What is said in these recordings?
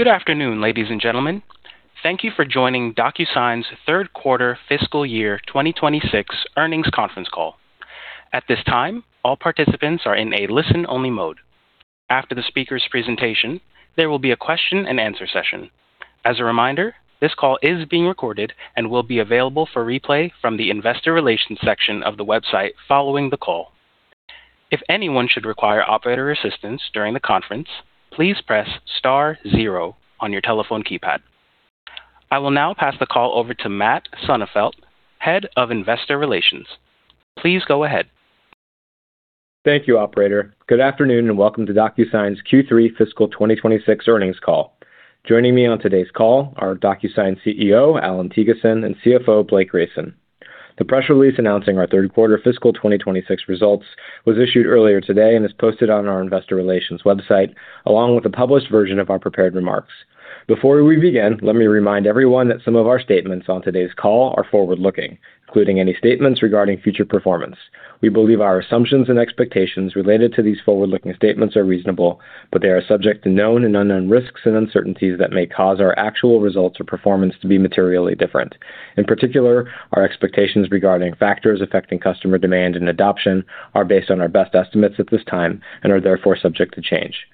Good afternoon, ladies and gentlemen. Thank you for joining DocuSign's third quarter fiscal year 2026 earnings conference call. At this time, all participants are in a listen-only mode. After the speaker's presentation, there will be a question-and-answer session. As a reminder, this call is being recorded and will be available for replay from the investor relations section of the website following the call. If anyone should require operator assistance during the conference, please press star zero on your telephone keypad. I will now pass the call over to Matt Sonefeldt, Head of Investor Relations. Please go ahead. Thank you, Operator. Good afternoon and welcome to DocuSign's Q3 fiscal 2026 earnings call. Joining me on today's call are DocuSign CEO Allan Thygesen and CFO Blake Grayson. The press release announcing our third quarter fiscal 2026 results was issued earlier today and is posted on our investor relations website, along with a published version of our prepared remarks. Before we begin, let me remind everyone that some of our statements on today's call are forward-looking, including any statements regarding future performance. We believe our assumptions and expectations related to these forward-looking statements are reasonable, but they are subject to known and unknown risks and uncertainties that may cause our actual results or performance to be materially different. In particular, our expectations regarding factors affecting customer demand and adoption are based on our best estimates at this time and are therefore subject to change.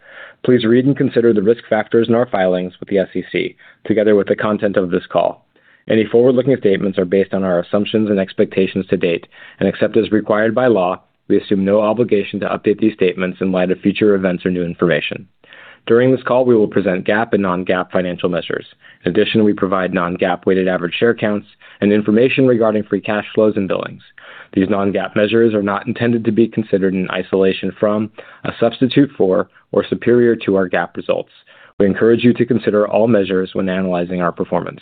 Please read and consider the risk factors in our filings with the SEC, together with the content of this call. Any forward-looking statements are based on our assumptions and expectations to date, and except as required by law, we assume no obligation to update these statements in light of future events or new information. During this call, we will present GAAP and non-GAAP financial measures. In addition, we provide non-GAAP weighted average share counts and information regarding free cash flows and billings. These non-GAAP measures are not intended to be considered in isolation from, a substitute for, or superior to our GAAP results. We encourage you to consider all measures when analyzing our performance.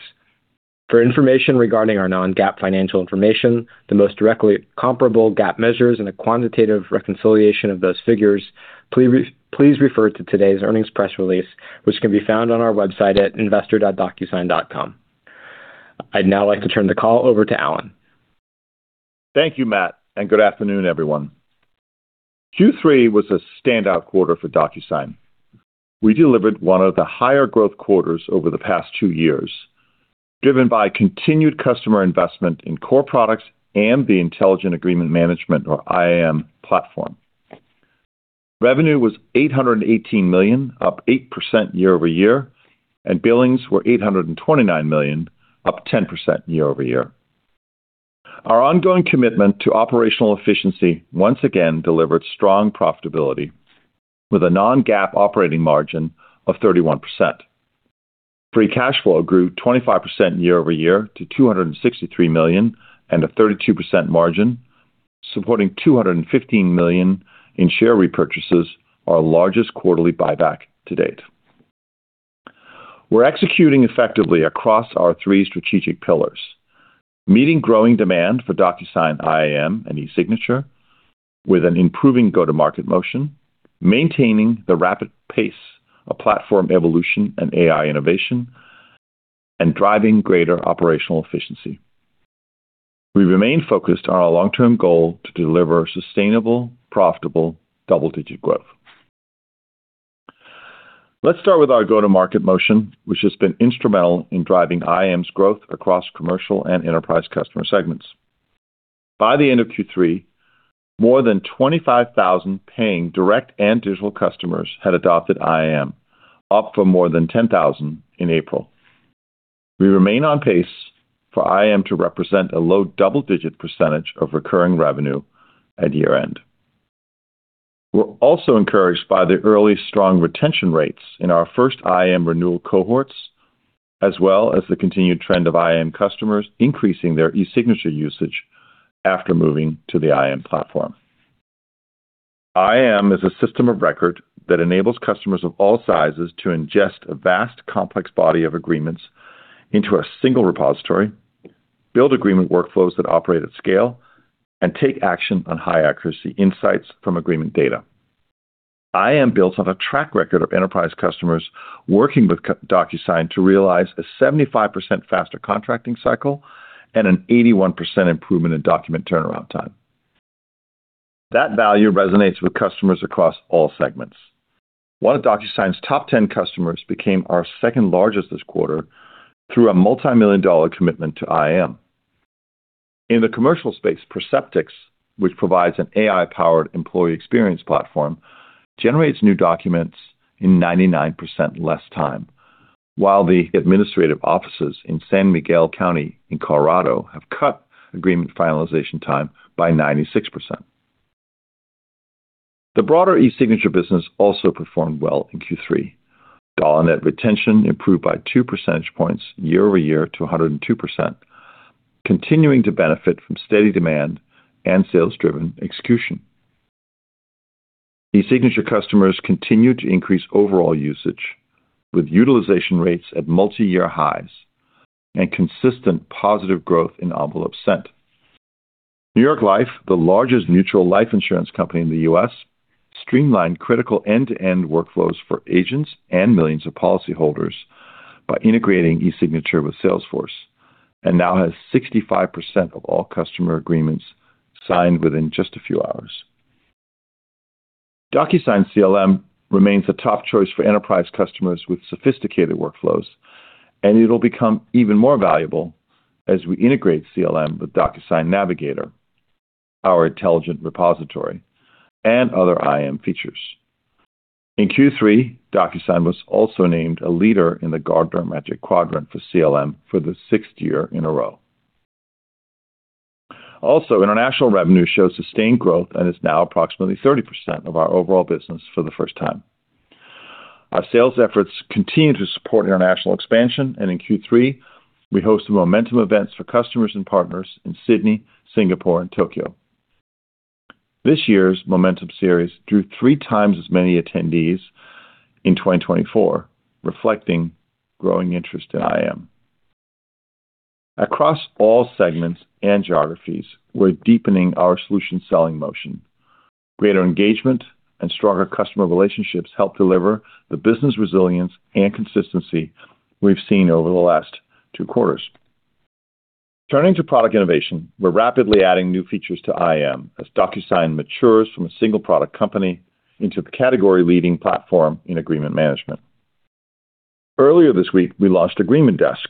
For information regarding our non-GAAP financial information, the most directly comparable GAAP measures and a quantitative reconciliation of those figures, please refer to today's earnings press release, which can be found on our website at investor.docusign.com. I'd now like to turn the call over to Allan. Thank you, Matt, and good afternoon, everyone. Q3 was a standout quarter for DocuSign. We delivered one of the higher growth quarters over the past two years, driven by continued customer investment in core products and the Intelligent Agreement Management, or IAM, platform. Revenue was $818 million, up 8% year-over-year, and billings were $829 million, up 10% year-over-year. Our ongoing commitment to operational efficiency once again delivered strong profitability, with a Non-GAAP operating margin of 31%. Free Cash Flow grew 25% year-over-year to $263 million and a 32% margin, supporting $215 million in share repurchases, our largest quarterly buyback to date. We're executing effectively across our three strategic pillars, meeting growing demand for DocuSign IAM and eSignature with an improving go-to-market motion, maintaining the rapid pace of platform evolution and AI innovation, and driving greater operational efficiency. We remain focused on our long-term goal to deliver sustainable, profitable double-digit growth. Let's start with our go-to-market motion, which has been instrumental in driving IAM's growth across commercial and enterprise customer segments. By the end of Q3, more than 25,000 paying direct and digital customers had adopted IAM, up from more than 10,000 in April. We remain on pace for IAM to represent a low double-digit % of recurring revenue at year-end. We're also encouraged by the early strong retention rates in our first IAM renewal cohorts, as well as the continued trend of IAM customers increasing their eSignature usage after moving to the IAM platform. IAM is a system of record that enables customers of all sizes to ingest a vast, complex body of agreements into a single repository, build agreement workflows that operate at scale, and take action on high-accuracy insights from agreement data. IAM builds on a track record of enterprise customers working with DocuSign to realize a 75% faster contracting cycle and an 81% improvement in document turnaround time. That value resonates with customers across all segments. One of DocuSign's top 10 customers became our second largest this quarter through a multi-million-dollar commitment to IAM. In the commercial space, Perceptyx, which provides an AI-powered employee experience platform, generates new documents in 99% less time, while the administrative offices in San Miguel County in Colorado have cut agreement finalization time by 96%. The broader eSignature business also performed well in Q3. Dollar net retention improved by 2 percentage points year-over-year to 102%, continuing to benefit from steady demand and sales-driven execution, eSignature customers continue to increase overall usage, with utilization rates at multi-year highs and consistent positive growth in envelope sent. New York Life, the largest mutual life insurance company in the U.S., streamlined critical end-to-end workflows for agents and millions of policyholders by integrating eSignature with Salesforce, and now has 65% of all customer agreements signed within just a few hours. DocuSign CLM remains a top choice for enterprise customers with sophisticated workflows, and it'll become even more valuable as we integrate CLM with DocuSign Navigator, our intelligent repository, and other IAM features. In Q3, DocuSign was also named a leader in the Gartner Magic Quadrant for CLM for the sixth year in a row. Also, international revenue shows sustained growth and is now approximately 30% of our overall business for the first time. Our sales efforts continue to support international expansion, and in Q3, we hosted momentum events for customers and partners in Sydney, Singapore, and Tokyo. This year's momentum series drew three times as many attendees in 2024, reflecting growing interest in IAM. Across all segments and geographies, we're deepening our solution selling motion. Greater engagement and stronger customer relationships help deliver the business resilience and consistency we've seen over the last two quarters. Turning to product innovation, we're rapidly adding new features to IAM as DocuSign matures from a single product company into the category-leading platform in agreement management. Earlier this week, we launched Agreement Desk,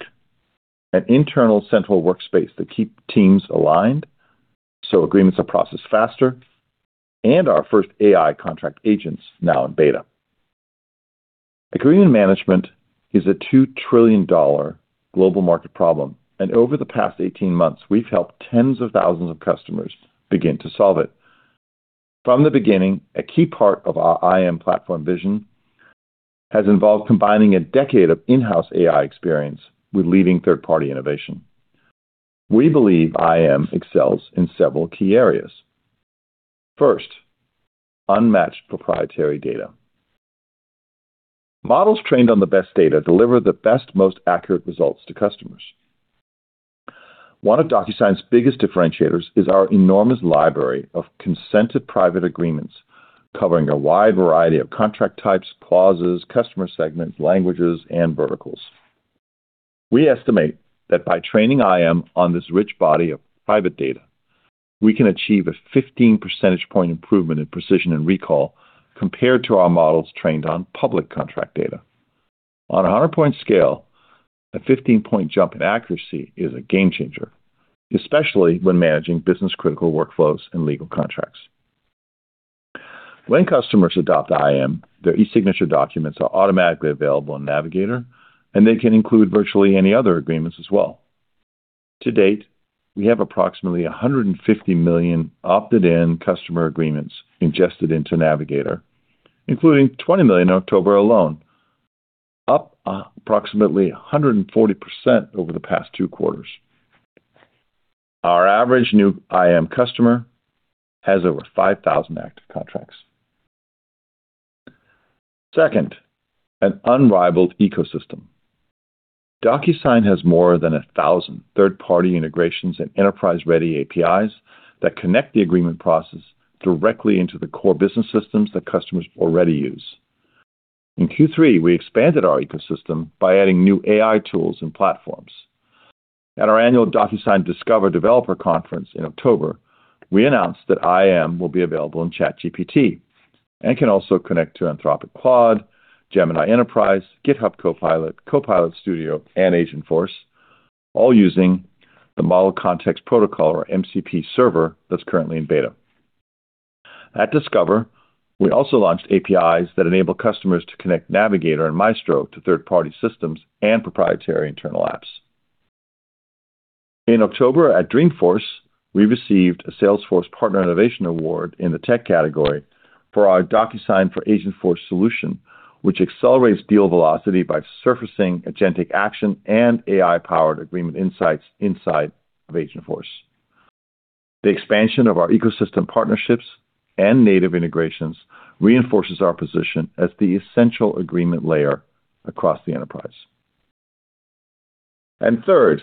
an internal central workspace that keeps teams aligned so agreements are processed faster, and our first AI contract agents now in beta. Agreement management is a $2 trillion global market problem, and over the past 18 months, we've helped tens of thousands of customers begin to solve it. From the beginning, a key part of our IAM platform vision has involved combining a decade of in-house AI experience with leading third-party innovation. We believe IAM excels in several key areas. First, unmatched proprietary data. Models trained on the best data deliver the best, most accurate results to customers. One of DocuSign's biggest differentiators is our enormous library of consented private agreements covering a wide variety of contract types, clauses, customer segments, languages, and verticals. We estimate that by training IAM on this rich body of private data, we can achieve a 15 percentage point improvement in precision and recall compared to our models trained on public contract data. On a 100-point scale, a 15-point jump in accuracy is a game changer, especially when managing business-critical workflows and legal contracts. When customers adopt IAM, their eSignature documents are automatically available in Navigator, and they can include virtually any other agreements as well. To date, we have approximately 150 million opted-in customer agreements ingested into Navigator, including 20 million in October alone, up approximately 140% over the past two quarters. Our average new IAM customer has over 5,000 active contracts. Second, an unrivaled ecosystem. DocuSign has more than 1,000 third-party integrations and enterprise-ready APIs that connect the agreement process directly into the core business systems that customers already use. In Q3, we expanded our ecosystem by adding new AI tools and platforms. At our annual DocuSign Discover Developer Conference in October, we announced that IAM will be available in ChatGPT and can also connect to Anthropic Claude, Gemini Enterprise, GitHub Copilot, Copilot Studio, and Agentforce, all using the Model Context Protocol, or MCP, server that's currently in beta. At Discover, we also launched APIs that enable customers to connect Navigator and Maestro to third-party systems and proprietary internal apps. In October, at Dreamforce, we received a Salesforce Partner Innovation Award in the tech category for our DocuSign for Agentforce solution, which accelerates deal velocity by surfacing agentic action and AI-powered agreement insights inside of Agentforce. The expansion of our ecosystem partnerships and native integrations reinforces our position as the essential agreement layer across the enterprise. And third,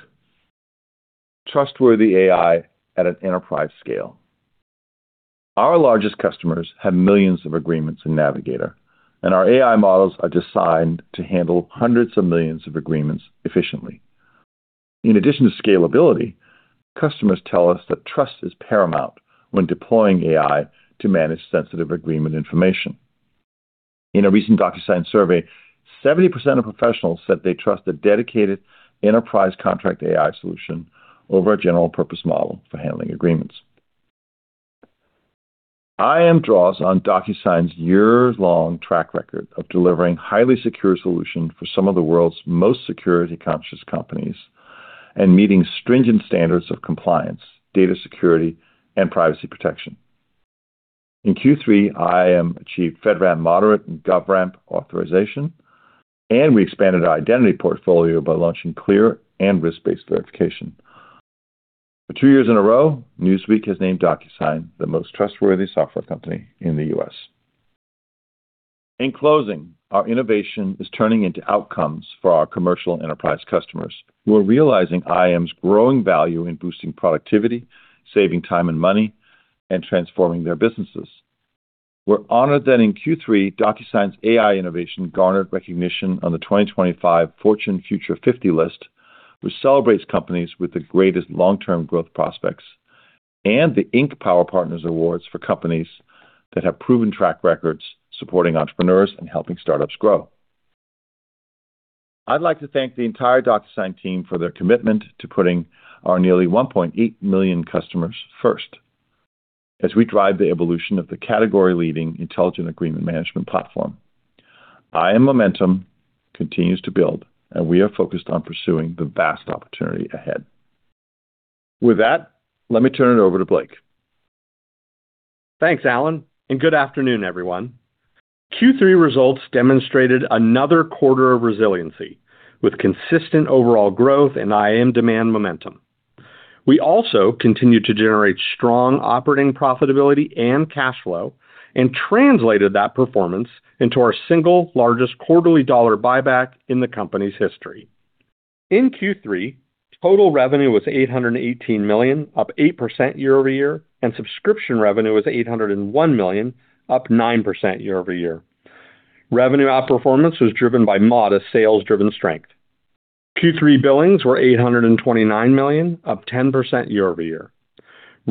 trustworthy AI at an enterprise scale. Our largest customers have millions of agreements in Navigator, and our AI models are designed to handle hundreds of millions of agreements efficiently. In addition to scalability, customers tell us that trust is paramount when deploying AI to manage sensitive agreement information. In a recent DocuSign survey, 70% of professionals said they trust a dedicated enterprise contract AI solution over a general-purpose model for handling agreements. IAM draws on DocuSign's years-long track record of delivering highly secured solutions for some of the world's most security-conscious companies and meeting stringent standards of compliance, data security, and privacy protection. In Q3, IAM achieved FedRAMP moderate and GovRAMP authorization, and we expanded our identity portfolio by launching clear and risk-based verification. For two years in a row, Newsweek has named DocuSign the most trustworthy software company in the U.S. In closing, our innovation is turning into outcomes for our commercial enterprise customers. We're realizing IAM's growing value in boosting productivity, saving time and money, and transforming their businesses. We're honored that in Q3, DocuSign's AI innovation garnered recognition on the 2025 Fortune Future 50 list, which celebrates companies with the greatest long-term growth prospects and the Inc. Power Partners Awards for companies that have proven track records supporting entrepreneurs and helping startups grow. I'd like to thank the entire DocuSign team for their commitment to putting our nearly 1.8 million customers first as we drive the evolution of the category-leading intelligent agreement management platform. IAM momentum continues to build, and we are focused on pursuing the vast opportunity ahead. With that, let me turn it over to Blake. Thanks, Allan, and good afternoon, everyone. Q3 results demonstrated another quarter of resiliency with consistent overall growth and IAM demand momentum. We also continued to generate strong operating profitability and cash flow and translated that performance into our single largest quarterly dollar buyback in the company's history. In Q3, total revenue was $818 million, up 8% year-over-year, and subscription revenue was $801 million, up 9% year-over-year. Revenue outperformance was driven by modest sales-driven strength. Q3 billings were $829 million, up 10% year-over-year.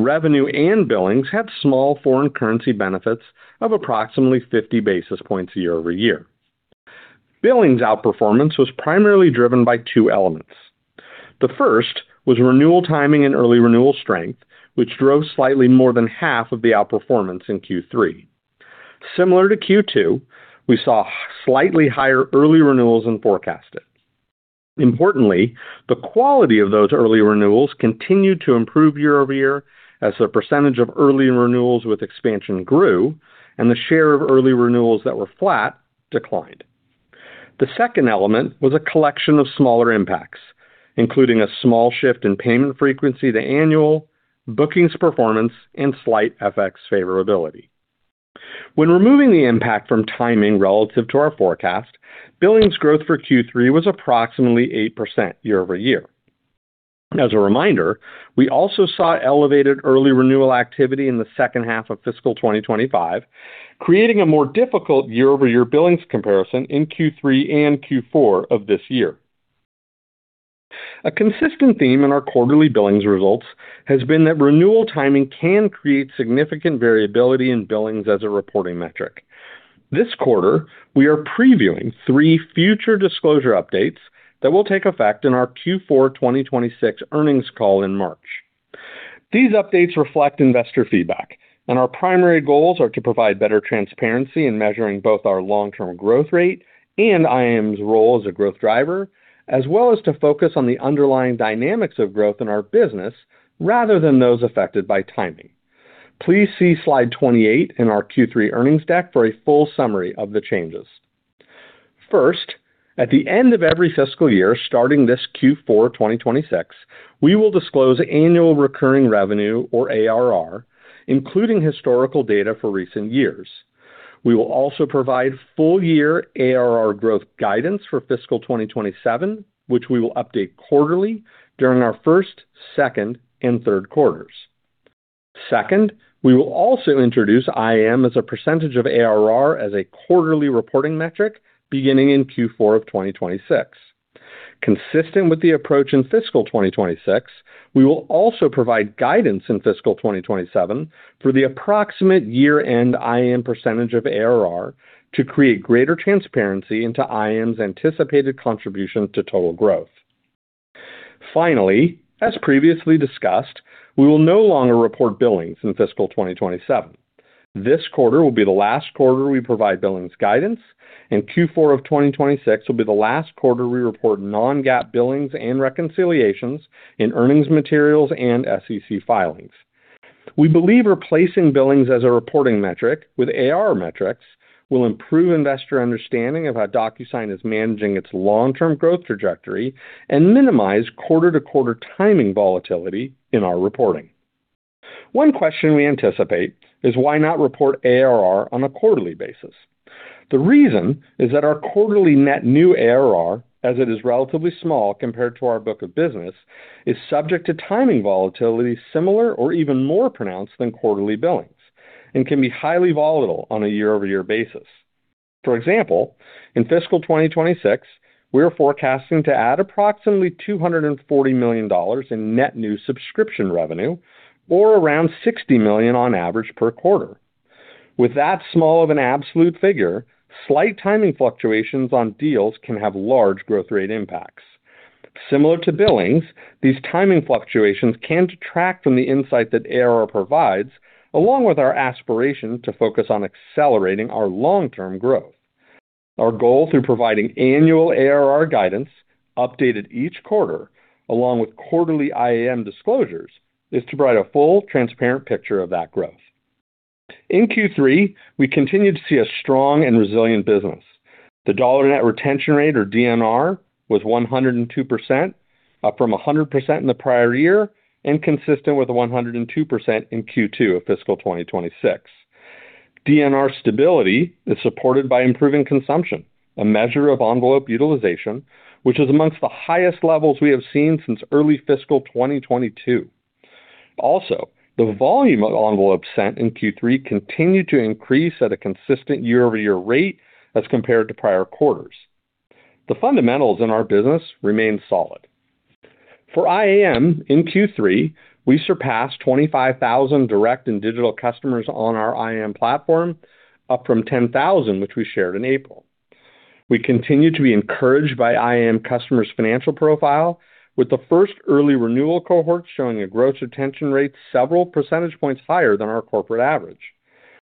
Revenue and billings had small foreign currency benefits of approximately 50 basis points year-over-year. Billings outperformance was primarily driven by two elements. The first was renewal timing and early renewal strength, which drove slightly more than half of the outperformance in Q3. Similar to Q2, we saw slightly higher early renewals than forecasted. Importantly, the quality of those early renewals continued to improve year-over-year as the percentage of early renewals with expansion grew and the share of early renewals that were flat declined. The second element was a collection of smaller impacts, including a small shift in payment frequency to annual, bookings performance, and slight FX favorability. When removing the impact from timing relative to our forecast, billings growth for Q3 was approximately 8% year-over-year. As a reminder, we also saw elevated early renewal activity in the second half of fiscal 2025, creating a more difficult year-over-year billings comparison in Q3 and Q4 of this year. A consistent theme in our quarterly billings results has been that renewal timing can create significant variability in billings as a reporting metric. This quarter, we are previewing three future disclosure updates that will take effect in our Q4 2026 earnings call in March. These updates reflect investor feedback, and our primary goals are to provide better transparency in measuring both our long-term growth rate and IAM's role as a growth driver, as well as to focus on the underlying dynamics of growth in our business rather than those affected by timing. Please see slide 28 in our Q3 earnings deck for a full summary of the changes. First, at the end of every fiscal year starting this Q4 2026, we will disclose annual recurring revenue, or ARR, including historical data for recent years. We will also provide full-year ARR growth guidance for fiscal 2027, which we will update quarterly during our first, second, and third quarters. Second, we will also introduce IAM as a percentage of ARR as a quarterly reporting metric beginning in Q4 of 2026. Consistent with the approach in fiscal 2026, we will also provide guidance in fiscal 2027 for the approximate year-end IAM percentage of ARR to create greater transparency into IAM's anticipated contribution to total growth. Finally, as previously discussed, we will no longer report billings in fiscal 2027. This quarter will be the last quarter we provide billings guidance, and Q4 of 2026 will be the last quarter we report non-GAAP billings and reconciliations in earnings materials and SEC filings. We believe replacing billings as a reporting metric with ARR metrics will improve investor understanding of how DocuSign is managing its long-term growth trajectory and minimize quarter-to-quarter timing volatility in our reporting. One question we anticipate is why not report ARR on a quarterly basis. The reason is that our quarterly net new ARR, as it is relatively small compared to our book of business, is subject to timing volatility similar or even more pronounced than quarterly billings and can be highly volatile on a year-over-year basis. For example, in fiscal 2026, we are forecasting to add approximately $240 million in net new subscription revenue, or around $60 million on average per quarter. With that small of an absolute figure, slight timing fluctuations on deals can have large growth rate impacts. Similar to billings, these timing fluctuations can detract from the insight that ARR provides, along with our aspiration to focus on accelerating our long-term growth. Our goal through providing annual ARR guidance updated each quarter, along with quarterly IAM disclosures, is to provide a full, transparent picture of that growth. In Q3, we continue to see a strong and resilient business. The dollar net retention rate, or DNR, was 102% up from 100% in the prior year and consistent with 102% in Q2 of fiscal 2026. DNR stability is supported by improving consumption, a measure of envelope utilization, which is among the highest levels we have seen since early fiscal 2022. Also, the volume of envelopes sent in Q3 continued to increase at a consistent year-over-year rate as compared to prior quarters. The fundamentals in our business remain solid. For IAM, in Q3, we surpassed 25,000 direct and digital customers on our IAM platform, up from 10,000, which we shared in April. We continue to be encouraged by IAM customers' financial profile, with the first early renewal cohort showing a gross retention rate several percentage points higher than our corporate average.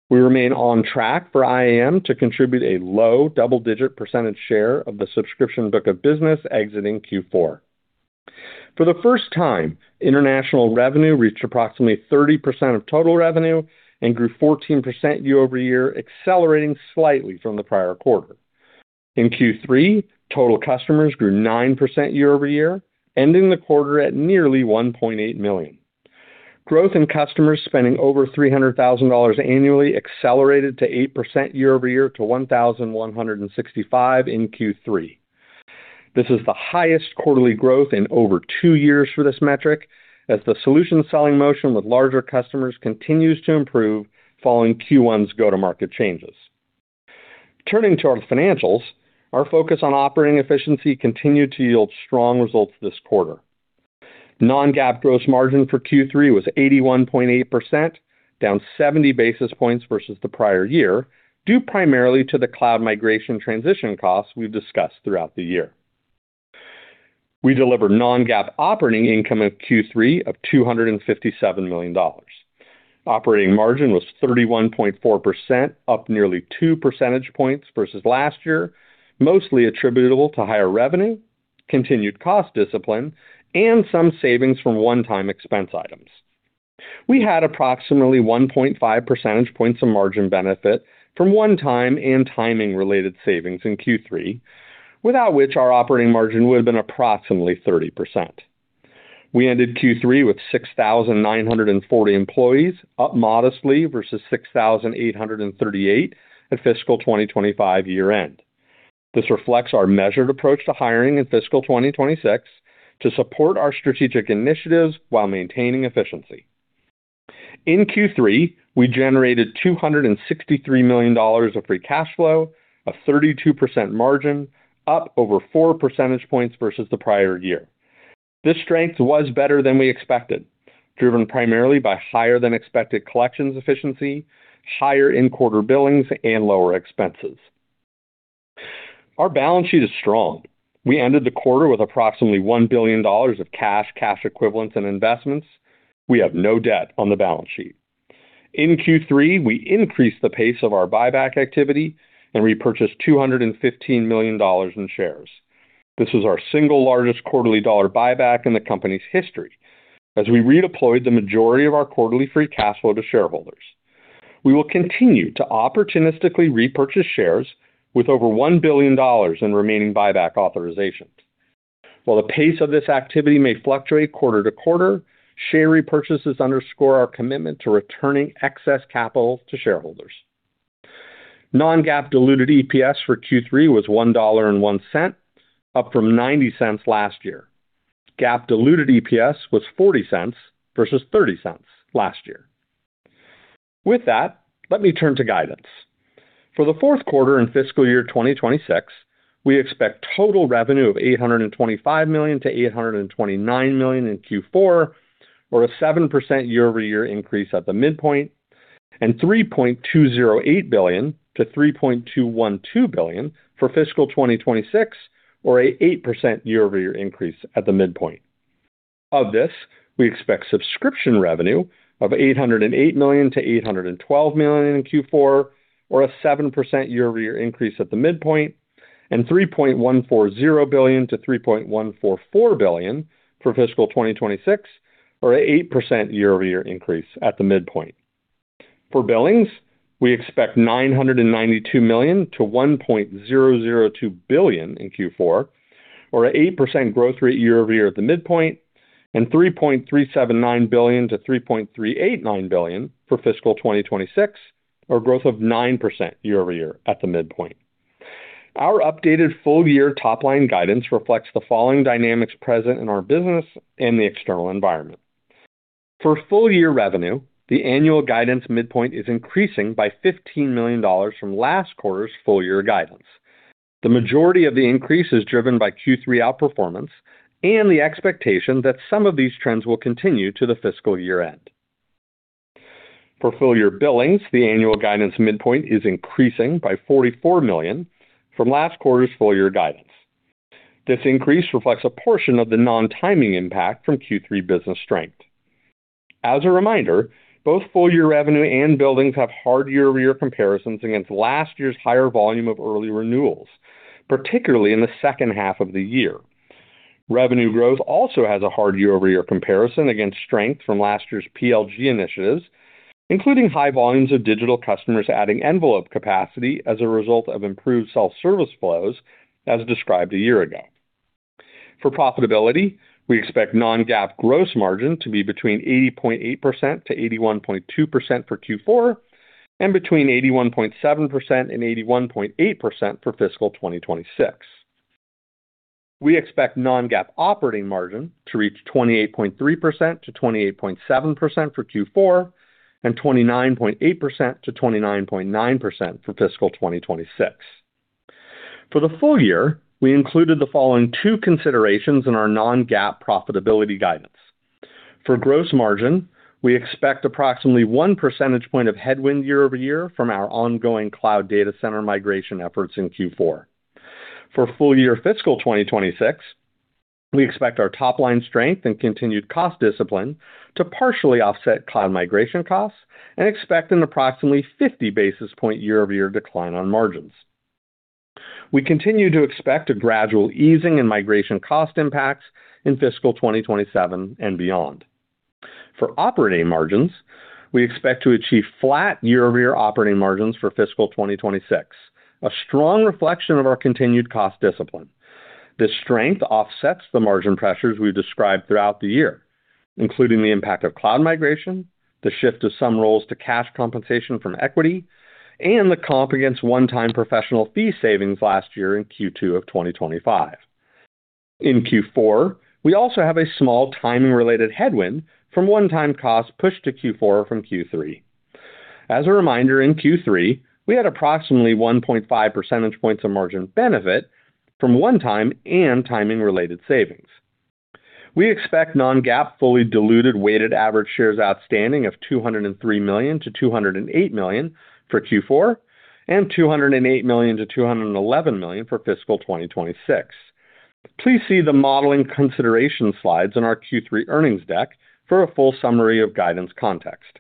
We remain on track for IAM to contribute a low double-digit percentage share of the subscription book of business exiting Q4. For the first time, international revenue reached approximately 30% of total revenue and grew 14% year-over-year, accelerating slightly from the prior quarter. In Q3, total customers grew 9% year-over-year, ending the quarter at nearly 1.8 million. Growth in customers spending over $300,000 annually accelerated to 8% year-over-year to 1,165 in Q3. This is the highest quarterly growth in over two years for this metric, as the solution selling motion with larger customers continues to improve following Q1's go-to-market changes. Turning to our financials, our focus on operating efficiency continued to yield strong results this quarter. Non-GAAP gross margin for Q3 was 81.8%, down 70 basis points versus the prior year, due primarily to the cloud migration transition costs we've discussed throughout the year. We delivered non-GAAP operating income in Q3 of $257 million. Operating margin was 31.4%, up nearly two percentage points versus last year, mostly attributable to higher revenue, continued cost discipline, and some savings from one-time expense items. We had approximately 1.5 percentage points of margin benefit from one-time and timing-related savings in Q3, without which our operating margin would have been approximately 30%. We ended Q3 with 6,940 employees, up modestly versus 6,838 at fiscal 2025 year-end. This reflects our measured approach to hiring in fiscal 2026 to support our strategic initiatives while maintaining efficiency. In Q3, we generated $263 million of free cash flow, a 32% margin, up over four percentage points versus the prior year. This strength was better than we expected, driven primarily by higher-than-expected collections efficiency, higher in-quarter billings, and lower expenses. Our balance sheet is strong. We ended the quarter with approximately $1 billion of cash, cash equivalents, and investments. We have no debt on the balance sheet. In Q3, we increased the pace of our buyback activity and repurchased $215 million in shares. This was our single largest quarterly dollar buyback in the company's history, as we redeployed the majority of our quarterly free cash flow to shareholders. We will continue to opportunistically repurchase shares with over $1 billion in remaining buyback authorizations. While the pace of this activity may fluctuate quarter to quarter, share repurchases underscore our commitment to returning excess capital to shareholders. Non-GAAP diluted EPS for Q3 was $1.01, up from $0.90 last year. GAAP diluted EPS was $0.40 versus $0.30 last year. With that, let me turn to guidance. For the fourth quarter in fiscal year 2026, we expect total revenue of $825 million-$829 million in Q4, or a 7% year-over-year increase at the midpoint, and $3.208 billion-$3.212 billion for fiscal 2026, or an 8% year-over-year increase at the midpoint. Of this, we expect subscription revenue of $808 million-$812 million in Q4, or a 7% year-over-year increase at the midpoint, and $3.140 billion-$3.144 billion for fiscal 2026, or an 8% year-over-year increase at the midpoint. For billings, we expect $992 million to $1.002 billion in Q4, or an 8% growth rate year-over-year at the midpoint, and $3.379 billion-$3.389 billion for fiscal 2026, or a growth of 9% year-over-year at the midpoint. Our updated full-year top-line guidance reflects the following dynamics present in our business and the external environment. For full-year revenue, the annual guidance midpoint is increasing by $15 million from last quarter's full-year guidance. The majority of the increase is driven by Q3 outperformance and the expectation that some of these trends will continue to the fiscal year-end. For full-year billings, the annual guidance midpoint is increasing by $44 million from last quarter's full-year guidance. This increase reflects a portion of the non-timing impact from Q3 business strength. As a reminder, both full-year revenue and billings have hard year-over-year comparisons against last year's higher volume of early renewals, particularly in the second half of the year. Revenue growth also has a hard year-over-year comparison against strength from last year's PLG initiatives, including high volumes of digital customers adding envelope capacity as a result of improved self-service flows, as described a year ago. For profitability, we expect non-GAAP gross margin to be between 80.8%-81.2% for Q4 and between 81.7% and 81.8% for fiscal 2026. We expect non-GAAP operating margin to reach 28.3%-28.7% for Q4 and 29.8%-29.9% for fiscal 2026. For the full year, we included the following two considerations in our non-GAAP profitability guidance. For gross margin, we expect approximately 1 percentage point of headwind year-over-year from our ongoing cloud data center migration efforts in Q4. For full-year fiscal 2026, we expect our top-line strength and continued cost discipline to partially offset cloud migration costs and expect an approximately 50 basis point year-over-year decline on margins. We continue to expect a gradual easing in migration cost impacts in fiscal 2027 and beyond. For operating margins, we expect to achieve flat year-over-year operating margins for fiscal 2026, a strong reflection of our continued cost discipline. This strength offsets the margin pressures we've described throughout the year, including the impact of cloud migration, the shift of some roles to cash compensation from equity, and the comp against one-time professional fee savings last year in Q2 of 2025. In Q4, we also have a small timing-related headwind from one-time costs pushed to Q4 from Q3. As a reminder, in Q3, we had approximately 1.5 percentage points of margin benefit from one-time and timing-related savings. We expect Non-GAAP fully diluted weighted average shares outstanding of $203 million-$208 million for Q4 and $208 million-$211 million for fiscal 2026. Please see the modeling consideration slides in our Q3 earnings deck for a full summary of guidance context.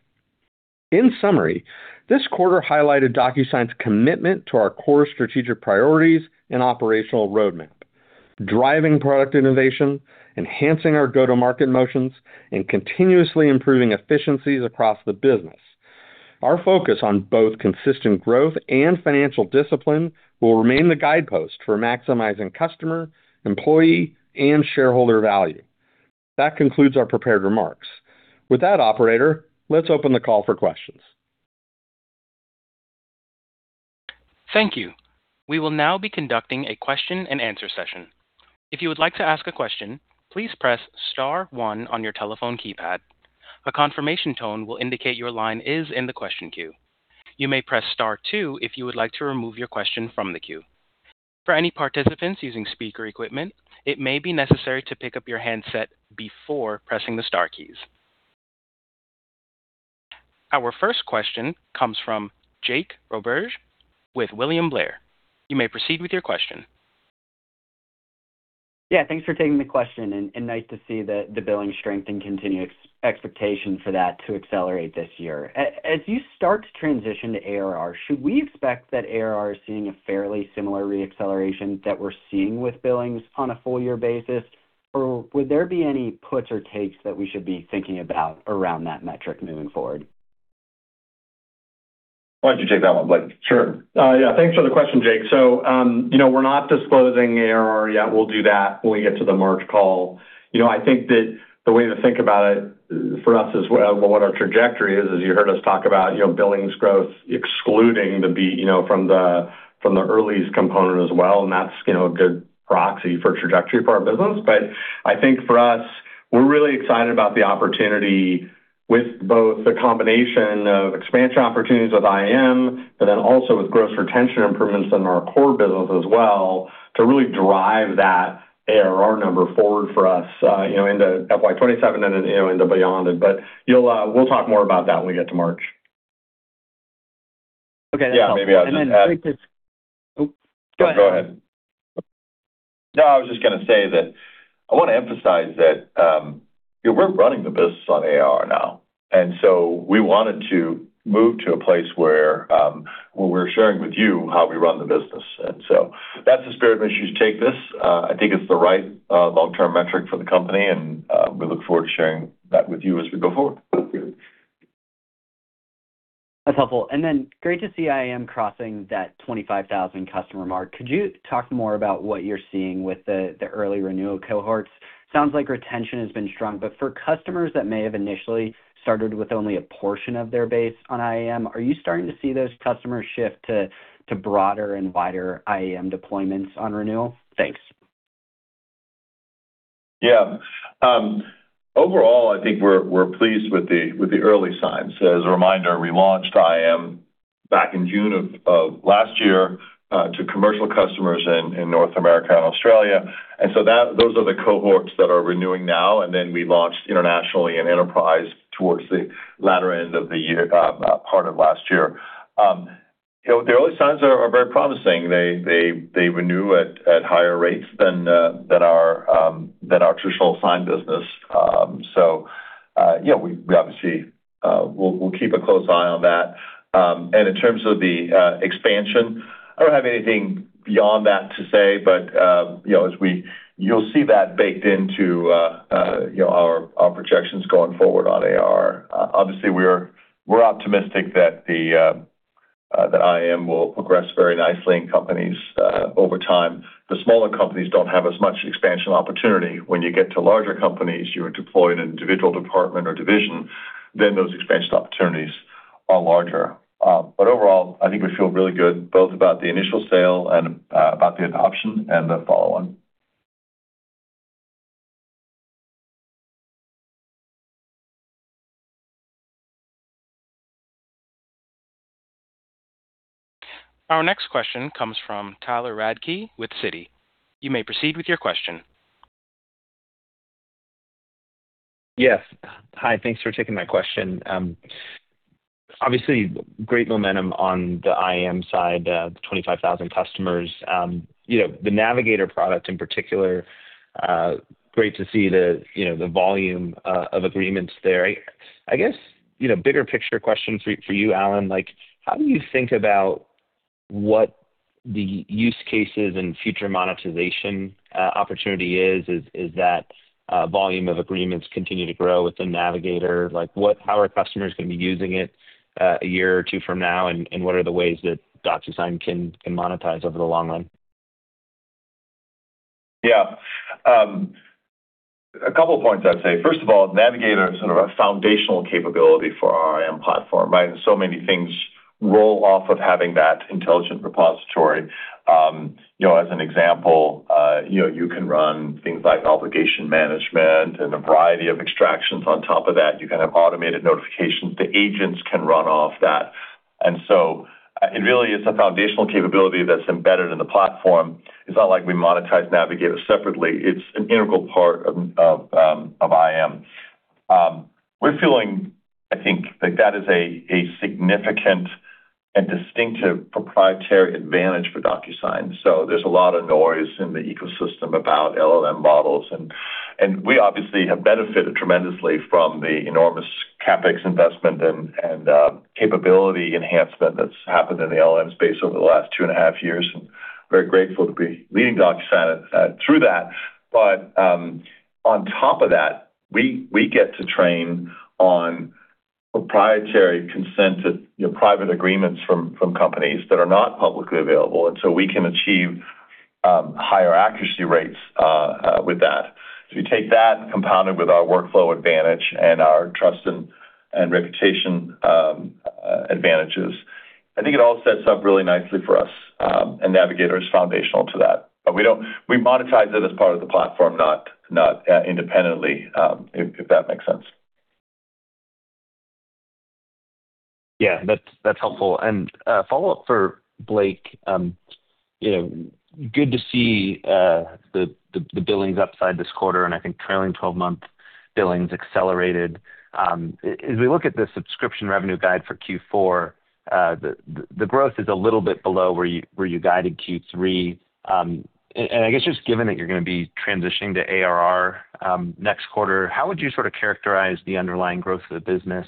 In summary, this quarter highlighted DocuSign's commitment to our core strategic priorities and operational roadmap, driving product innovation, enhancing our go-to-market motions, and continuously improving efficiencies across the business. Our focus on both consistent growth and financial discipline will remain the guidepost for maximizing customer, employee, and shareholder value. That concludes our prepared remarks. With that, Operator, let's open the call for questions. Thank you. We will now be conducting a question-and-answer session. If you would like to ask a question, please press Star 1 on your telephone keypad. A confirmation tone will indicate your line is in the question queue. You may press Star 2 if you would like to remove your question from the queue. For any participants using speaker equipment, it may be necessary to pick up your handset before pressing the Star keys. Our first question comes from Jake Roberge, with William Blair. You may proceed with your question. Yeah, thanks for taking the question. And nice to see that the billing strength and continued expectation for that to accelerate this year. As you start to transition to ARR, should we expect that ARR is seeing a fairly similar reacceleration that we're seeing with billings on a full-year basis, or would there be any puts or takes that we should be thinking about around that metric moving forward? Why don't you take that one, Blake? Sure. Yeah, thanks for the question, Jake. So we're not disclosing ARR yet. We'll do that when we get to the March call. I think that the way to think about it for us is what our trajectory is, as you heard us talk about, billings growth excluding the [FX from the early] component as well, and that's a good proxy for trajectory for our business. But I think for us, we're really excited about the opportunity with both the combination of expansion opportunities with IAM, but then also with gross retention improvements in our core business as well, to really drive that ARR number forward for us into FY27 and beyond. But we'll talk more about that when we get to March. Okay. Yeah, maybe I'll jump in. And then Blake is—Oh, go ahead. Go ahead. No, I was just going to say that I want to emphasize that we're running the business on ARR now. And so we wanted to move to a place where we're sharing with you how we run the business. And so that's the spirit in which we took this. I think it's the right long-term metric for the company, and we look forward to sharing that with you as we go forward. That's helpful. Great to see IAM crossing that 25,000 customer mark. Could you talk more about what you're seeing with the early renewal cohorts? Sounds like retention has been strong, but for customers that may have initially started with only a portion of their base on IAM, are you starting to see those customers shift to broader and wider IAM deployments on renewal? Thanks. Yeah. Overall, I think we're pleased with the early signs. As a reminder, we launched IAM back in June of last year to commercial customers in North America and Australia. And so those are the cohorts that are renewing now, and then we launched internationally and enterprise towards the latter end of the year part of last year. The early signs are very promising. They renew at higher rates than our traditional sign business. So yeah, we obviously will keep a close eye on that. And in terms of the expansion, I don't have anything beyond that to say, but as you'll see that baked into our projections going forward on ARR. Obviously, we're optimistic that IAM will progress very nicely in companies over time. The smaller companies don't have as much expansion opportunity. When you get to larger companies, you're deployed in an individual department or division, then those expansion opportunities are larger. But overall, I think we feel really good both about the initial sale and about the adoption and the follow-on. Our next question comes from Tyler Radke with Citi. You may proceed with your question. Yes. Hi. Thanks for taking my question. Obviously, great momentum on the IAM side, 25,000 customers. The Navigator product in particular, great to see the volume of agreements there. I guess bigger picture question for you, Allan, how do you think about what the use cases and future monetization opportunity is? Is that volume of agreements continue to grow with the Navigator? How are customers going to be using it a year or two from now, and what are the ways that DocuSign can monetize over the long run? Yeah. A couple of points I'd say. First of all, Navigator is sort of a foundational capability for our IAM platform, right? And so many things roll off of having that intelligent repository. As an example, you can run things like obligation management and a variety of extractions on top of that. You can have automated notifications. The agents can run off that. And so it really is a foundational capability that's embedded in the platform. It's not like we monetize Navigator separately. It's an integral part of IAM. We're feeling, I think, that that is a significant and distinctive proprietary advantage for DocuSign. So there's a lot of noise in the ecosystem about LLM models. And we obviously have benefited tremendously from the enormous CapEx investment and capability enhancement that's happened in the LLM space over the last two and a half years. And we're grateful to be leading DocuSign through that. But on top of that, we get to train on proprietary consented private agreements from companies that are not publicly available. And so we can achieve higher accuracy rates with that. If you take that compounded with our workflow advantage and our trust and reputation advantages, I think it all sets up really nicely for us. And Navigator is foundational to that. But we monetize it as part of the platform, not independently, if that makes sense. Yeah, that's helpful. And, follow-up for Blake. Good to see the billings upside this quarter, and I think trailing 12-month billings accelerated. As we look at the subscription revenue guide for Q4, the growth is a little bit below where you guided Q3. And I guess just given that you're going to be transitioning to ARR next quarter, how would you sort of characterize the underlying growth of the business?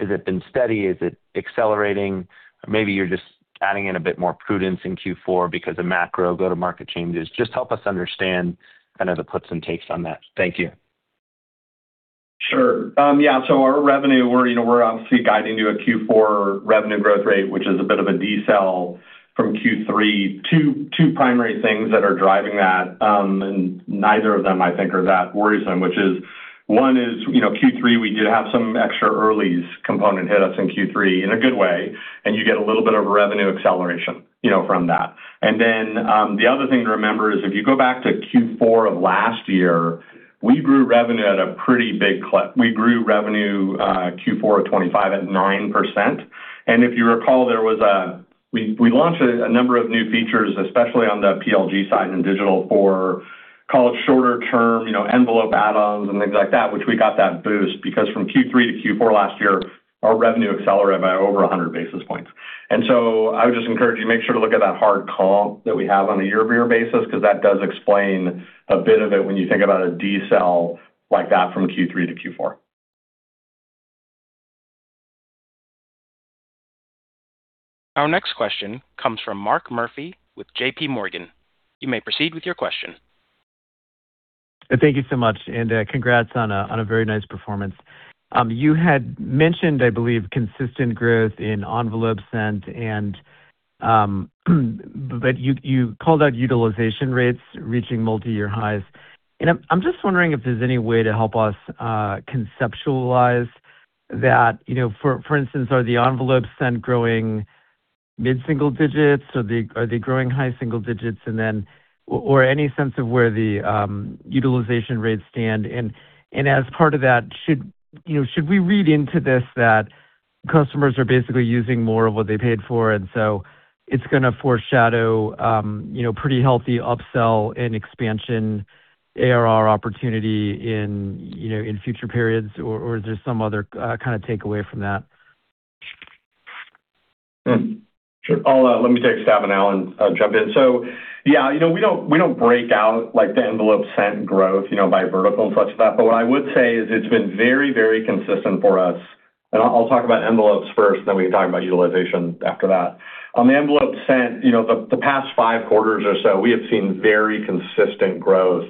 Has it been steady? Is it accelerating? Or maybe you're just adding in a bit more prudence in Q4 because of macro go-to-market changes. Just help us understand kind of the puts and takes on that. Thank you. Sure. Yeah. So our revenue, we're obviously guiding to a Q4 revenue growth rate, which is a bit of a decel from Q3. Two primary things that are driving that, and neither of them, I think, are that worrisome, which is one is Q3, we did have some extra early component hit us in Q3 in a good way, and you get a little bit of revenue acceleration from that. And then the other thing to remember is if you go back to Q4 of last year, we grew revenue at a pretty big clip. We grew revenue Q4 of 2025 at 9%. And if you recall, there was a we launched a number of new features, especially on the PLG side and digital for called shorter-term envelope add-ons and things like that, which we got that boost because from Q3 to Q4 last year, our revenue accelerated by over 100 basis points. And so I would just encourage you. Make sure to look at that hard call that we have on a year-over-year basis because that does explain a bit of it when you think about a detail like that from Q3 to Q4. Our next question comes from Mark Murphy with JPMorgan. You may proceed with your question. Thank you so much. And congrats on a very nice performance. You had mentioned, I believe, consistent growth in envelopes sent, but you called out utilization rates reaching multi-year highs. And I'm just wondering if there's any way to help us conceptualize that. For instance, are the envelopes sent growing mid-single digits, or are they growing high single digits, or any sense of where the utilization rates stand? And as part of that, should we read into this that customers are basically using more of what they paid for, and so it's going to foreshadow pretty healthy upsell and expansion ARR opportunity in future periods, or is there some other kind of takeaway from that? Sure. Let me take a stab and Allan jump in. So yeah, we don't break out the envelopes sent growth by vertical and such as that. But what I would say is it's been very, very consistent for us. And I'll talk about envelopes first, and then we can talk about utilization after that. On the envelopes sent, the past five quarters or so, we have seen very consistent growth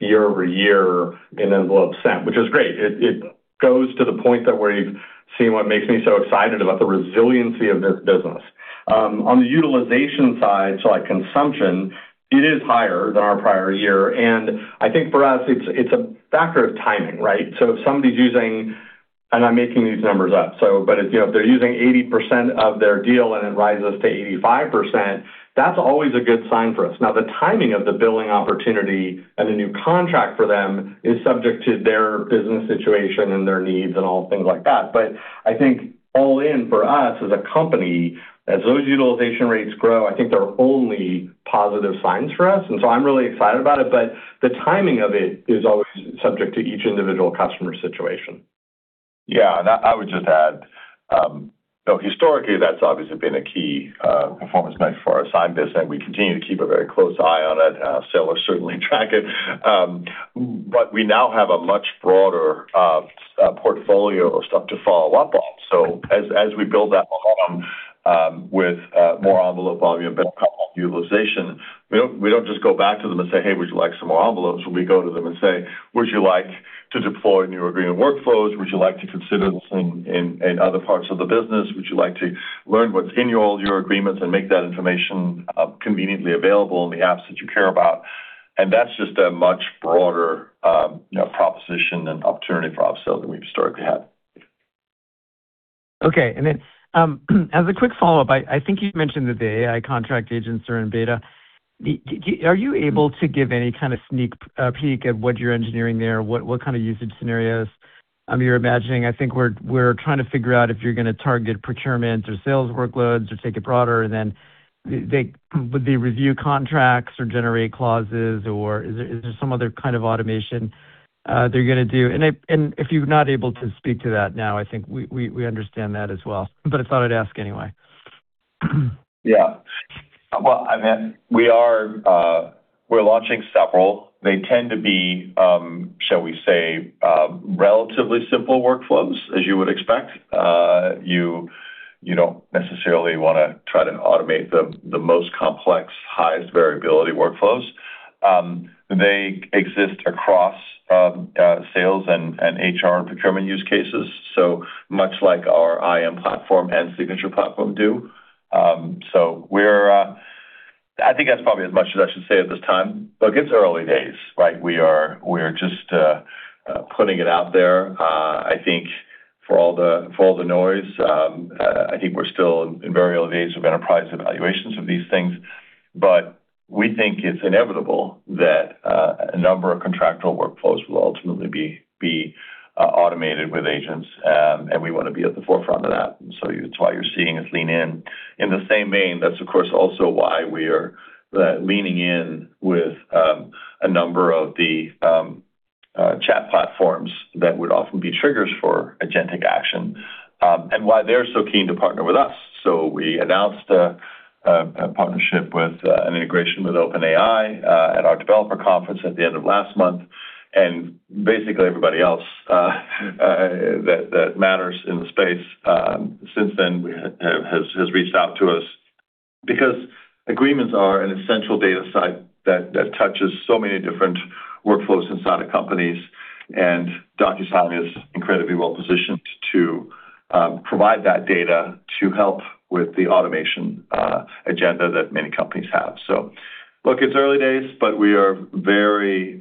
year-over-year in envelopes sent, which is great. It goes to the point that we've seen what makes me so excited about the resiliency of this business. On the utilization side, so like consumption, it is higher than our prior year, and I think for us, it's a factor of timing, right, so if somebody's using, and I'm making these numbers up, but if they're using 80% of their deal and it rises to 85%, that's always a good sign for us. Now, the timing of the billing opportunity and the new contract for them is subject to their business situation and their needs and all things like that, but I think all in for us as a company, as those utilization rates grow, I think they're only positive signs for us, and so I'm really excited about it, but the timing of it is always subject to each individual customer situation. Yeah, and I would just add, historically, that's obviously been a key performance metric for our sign business. We continue to keep a very close eye on it. Sales are certainly tracking. But we now have a much broader portfolio of stuff to follow up on. So as we build that momentum with more envelope volume, more complex utilization, we don't just go back to them and say, "Hey, would you like some more envelopes?" We go to them and say, "Would you like to deploy new agreement workflows? Would you like to consider this in other parts of the business? Would you like to learn what's in all your agreements and make that information conveniently available in the apps that you care about?" And that's just a much broader proposition and opportunity for upsell than we've historically had. Okay. And then as a quick follow-up, I think you mentioned that the AI contract agents are in beta. Are you able to give any kind of sneak peek at what you're engineering there? What kind of usage scenarios you're imagining? I think we're trying to figure out if you're going to target procurement or sales workloads or take it broader, and then would they review contracts or generate clauses, or is there some other kind of automation they're going to do? And if you're not able to speak to that now, I think we understand that as well. But I thought I'd ask anyway. Yeah. Well, I mean, we're launching several. They tend to be, shall we say, relatively simple workflows, as you would expect. You don't necessarily want to try to automate the most complex, highest variability workflows. They exist across sales and HR and procurement use cases, so much like our IAM platform and signature platform do. So I think that's probably as much as I should say at this time. But it's early days, right? We are just putting it out there. I think for all the noise, I think we're still in very early days of enterprise evaluations of these things. But we think it's inevitable that a number of contractual workflows will ultimately be automated with agents, and we want to be at the forefront of that. And so that's why you're seeing us lean in. In the same vein, that's, of course, also why we are leaning in with a number of the chat platforms that would often be triggers for agentic action and why they're so keen to partner with us. So we announced a partnership with an integration with OpenAI at our developer conference at the end of last month. Basically, everybody else that matters in the space since then has reached out to us because agreements are an essential dataset that touches so many different workflows inside of companies. DocuSign is incredibly well-positioned to provide that data to help with the automation agenda that many companies have. Look, it's early days, but we are very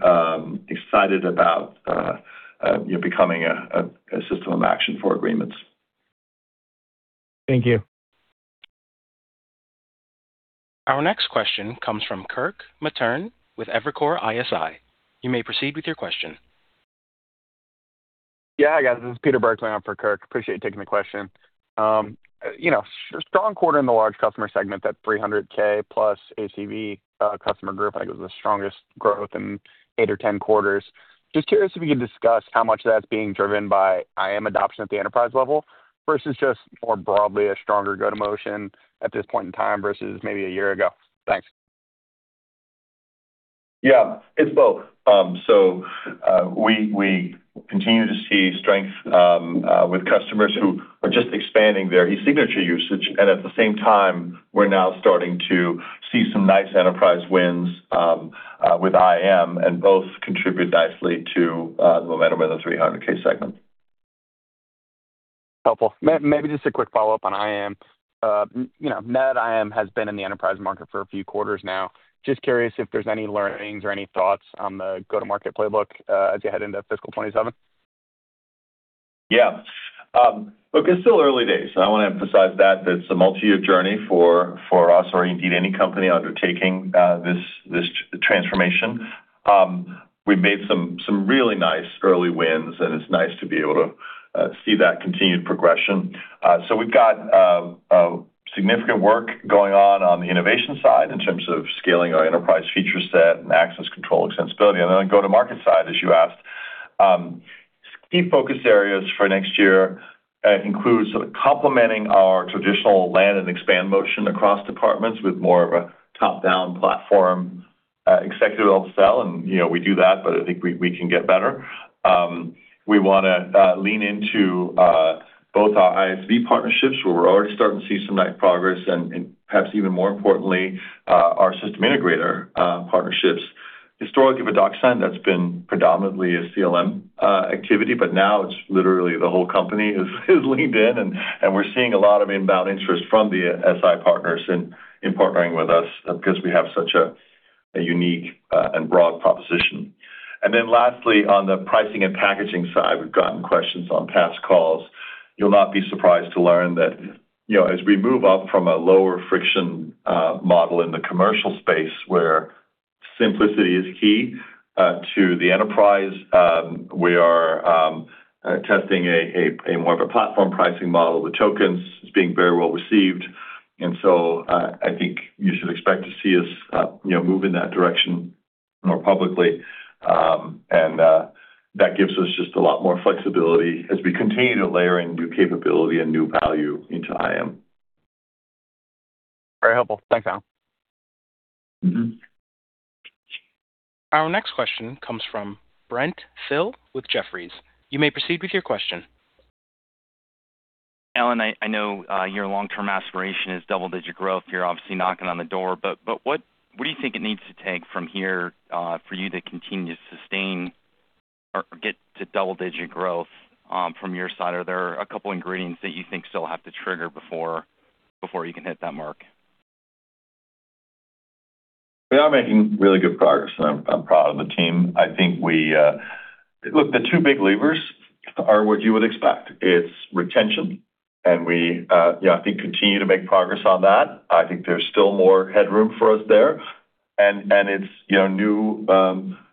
excited about becoming a system of action for agreements. Thank you. Our next question comes from Kirk Materne with Evercore ISI. You may proceed with your question. Yeah. Hi, guys. This is Peter Burkly for Kirk. Appreciate you taking the question. Strong quarter in the large customer segment, that 300K plus ACV customer group. I think it was the strongest growth in eight or 10 quarters. Just curious if you can discuss how much of that's being driven by IAM adoption at the enterprise level versus just more broadly a stronger go-to-motion at this point in time versus maybe a year ago. Thanks. Yeah. It's both. So we continue to see strength with customers who are just expanding their eSignature usage. And at the same time, we're now starting to see some nice enterprise wins with IAM, and both contribute nicely to the momentum in the 300K segment. Helpful. Maybe just a quick follow-up on IAM. New IAM has been in the enterprise market for a few quarters now. Just curious if there's any learnings or any thoughts on the go-to-market playbook as you head into fiscal 2027. Yeah. Look, it's still early days. I want to emphasize that it's a multi-year journey for us or indeed any company undertaking this transformation. We've made some really nice early wins, and it's nice to be able to see that continued progression. So we've got significant work going on the innovation side in terms of scaling our enterprise feature set and access control extensibility. And then on the go-to-market side, as you asked, key focus areas for next year include complementing our traditional land and expand motion across departments with more of a top-down platform executive-level sell. And we do that, but I think we can get better. We want to lean into both our ISV partnerships where we're already starting to see some nice progress and perhaps even more importantly, our system integrator partnerships. Historically, with DocuSign, that's been predominantly a CLM activity, but now it's literally the whole company is leaned in, and we're seeing a lot of inbound interest from the SI partners in partnering with us because we have such a unique and broad proposition and then lastly, on the pricing and packaging side, we've gotten questions on past calls. You'll not be surprised to learn that as we move up from a lower friction model in the commercial space where simplicity is key to the enterprise, we are testing a more of a platform pricing model. The tokens are being very well received, and so I think you should expect to see us move in that direction more publicly, and that gives us just a lot more flexibility as we continue to layer in new capability and new value into IAM. Very helpful. Thanks, Allan. Our next question comes from Brent Thill with Jefferies. You may proceed with your question. Allan, I know your long-term aspiration is double-digit growth. You're obviously knocking on the door. But what do you think it needs to take from here for you to continue to sustain or get to double-digit growth from your side? Are there a couple of ingredients that you think still have to trigger before you can hit that mark? We are making really good progress, and I'm proud of the team. I think we look, the two big levers are what you would expect. It's retention, and I think we continue to make progress on that. I think there's still more headroom for us there. And it's new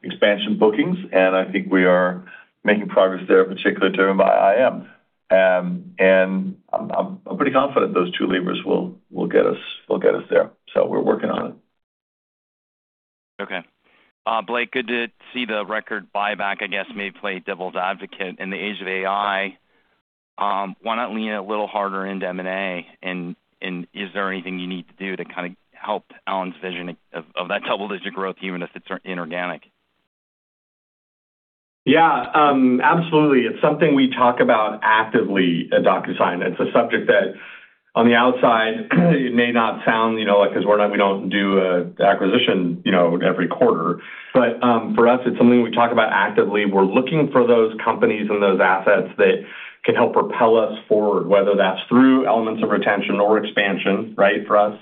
expansion bookings, and I think we are making progress there, particularly driven by IAM. And I'm pretty confident those two levers will get us there. So we're working on it. Okay. Blake, good to see the record buyback, I guess. May play devil's advocate. In the age of AI, why not lean a little harder into M&A? And is there anything you need to do to kind of help Allan's vision of that double-digit growth, even if it's inorganic? Yeah. Absolutely. It's something we talk about actively at DocuSign. It's a subject that, on the outside, it may not sound like because we don't do acquisition every quarter. But for us, it's something we talk about actively. We're looking for those companies and those assets that can help propel us forward, whether that's through elements of retention or expansion, right, for us.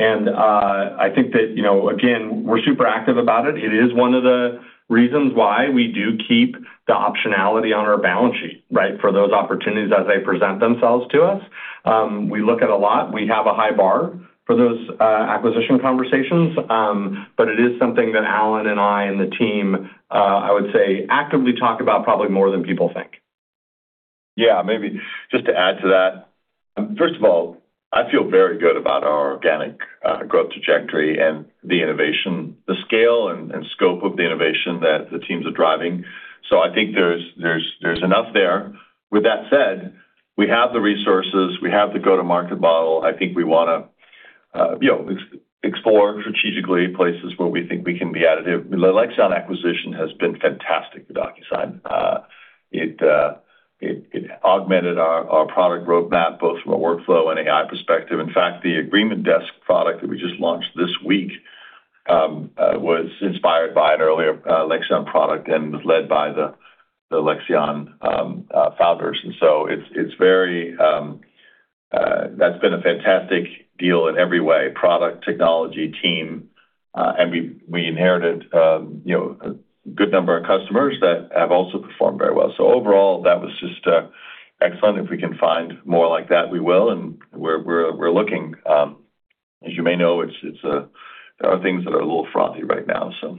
And I think that, again, we're super active about it. It is one of the reasons why we do keep the optionality on our balance sheet, right, for those opportunities as they present themselves to us. We look at a lot. We have a high bar for those acquisition conversations. But it is something that Allan and I and the team, I would say, actively talk about probably more than people think. Yeah. Maybe just to add to that, first of all, I feel very good about our organic growth trajectory and the innovation, the scale and scope of the innovation that the teams are driving. So I think there's enough there. With that said, we have the resources. We have the go-to-market model. I think we want to explore strategically places where we think we can be additive. Lexion acquisition has been fantastic to DocuSign. It augmented our product roadmap both from a workflow and AI perspective. In fact, the Agreement Desk product that we just launched this week was inspired by an earlier Lexion product and was led by the Lexion founders. And so it's very. That's been a fantastic deal in every way: product, technology, team. And we inherited a good number of customers that have also performed very well. So overall, that was just excellent. If we can find more like that, we will. And we're looking. As you may know, there are things that are a little frothy right now, so.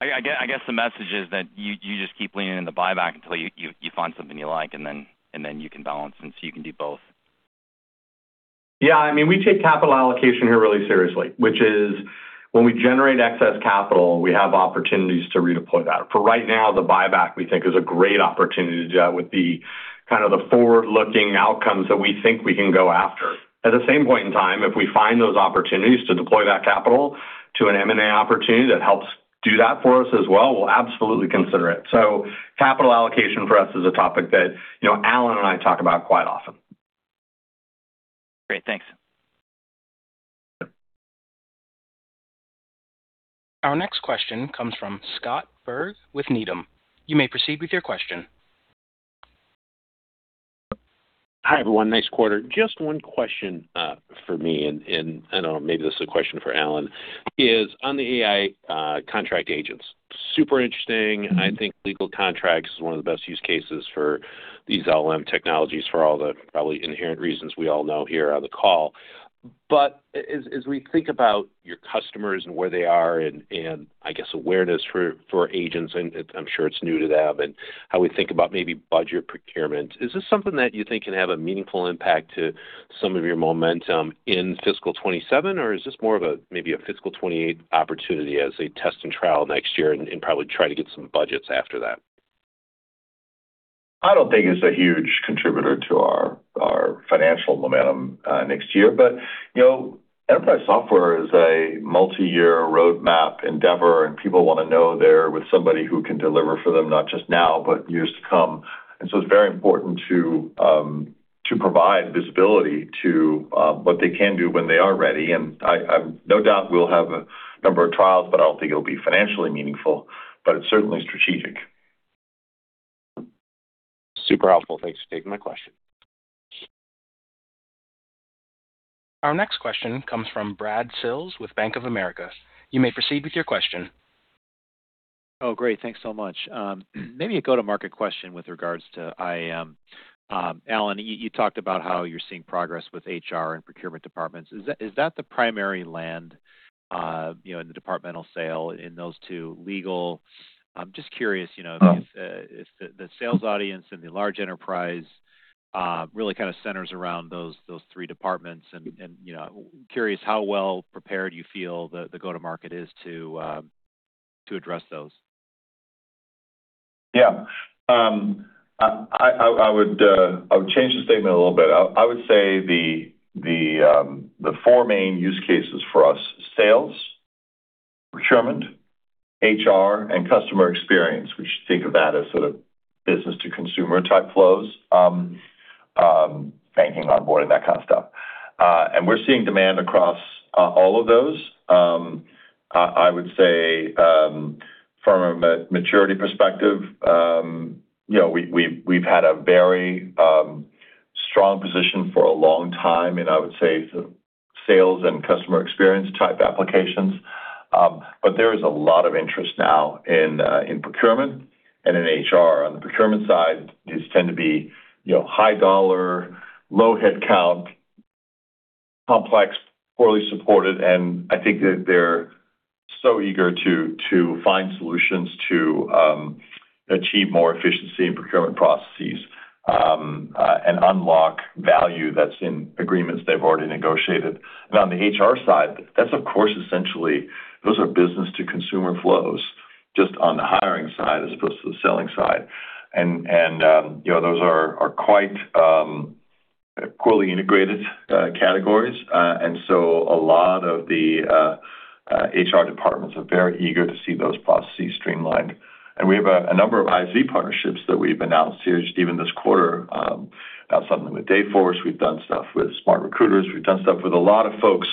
I guess the message is that you just keep leaning in the buyback until you find something you like, and then you can balance and see you can do both. Yeah. I mean, we take capital allocation here really seriously, which is when we generate excess capital, we have opportunities to redeploy that. For right now, the buyback we think is a great opportunity to do that with the kind of the forward-looking outcomes that we think we can go after. At the same point in time, if we find those opportunities to deploy that capital to an M&A opportunity that helps do that for us as well, we'll absolutely consider it. So capital allocation for us is a topic that Allan and I talk about quite often. Great. Thanks. Our next question comes from Scott Berg with Needham. You may proceed with your question. Hi, everyone. Nice quarter. Just one question for me, and I don't know, maybe this is a question for Allan, is on the AI contract agents. Super interesting. I think legal contracts is one of the best use cases for these LLM technologies for all the probably inherent reasons we all know here on the call. But as we think about your customers and where they are and, I guess, awareness for agents, and I'm sure it's new to them, and how we think about maybe budget procurement, is this something that you think can have a meaningful impact to some of your momentum in fiscal 2027, or is this more of a maybe a fiscal 2028 opportunity as a test and trial next year and probably try to get some budgets after that? I don't think it's a huge contributor to our financial momentum next year. But enterprise software is a multi-year roadmap endeavor, and people want to know they're with somebody who can deliver for them not just now, but years to come. And so it's very important to provide visibility to what they can do when they are ready. And no doubt we'll have a number of trials, but I don't think it'll be financially meaningful. But it's certainly strategic. Super helpful. Thanks for taking my question. Our next question comes from Brad Sills with Bank of America. You may proceed with your question. Oh, great. Thanks so much. Maybe a go-to-market question with regards to IAM. Allan, you talked about how you're seeing progress with HR and procurement departments. Is that the primary land in the departmental sale in those two legal? I'm just curious if the sales audience and the large enterprise really kind of centers around those three departments. And curious how well prepared you feel the go-to-market is to address those. Yeah. I would change the statement a little bit. I would say the four main use cases for us: sales, procurement, HR, and customer experience, which you think of that as sort of business-to-consumer type flows, banking onboarding, that kind of stuff. And we're seeing demand across all of those. I would say from a maturity perspective, we've had a very strong position for a long time in, I would say, sales and customer experience type applications. But there is a lot of interest now in procurement and in HR. On the procurement side, these tend to be high dollar, low headcount, complex, poorly supported. And I think that they're so eager to find solutions to achieve more efficiency in procurement processes and unlock value that's in agreements they've already negotiated. And on the HR side, that's, of course, essentially those are business-to-consumer flows just on the hiring side as opposed to the selling side. And those are quite poorly integrated categories. And so a lot of the HR departments are very eager to see those processes streamlined. And we have a number of ISV partnerships that we've announced here just even this quarter. Now, something with Dayforce, we've done stuff with SmartRecruiters. We've done stuff with a lot of folks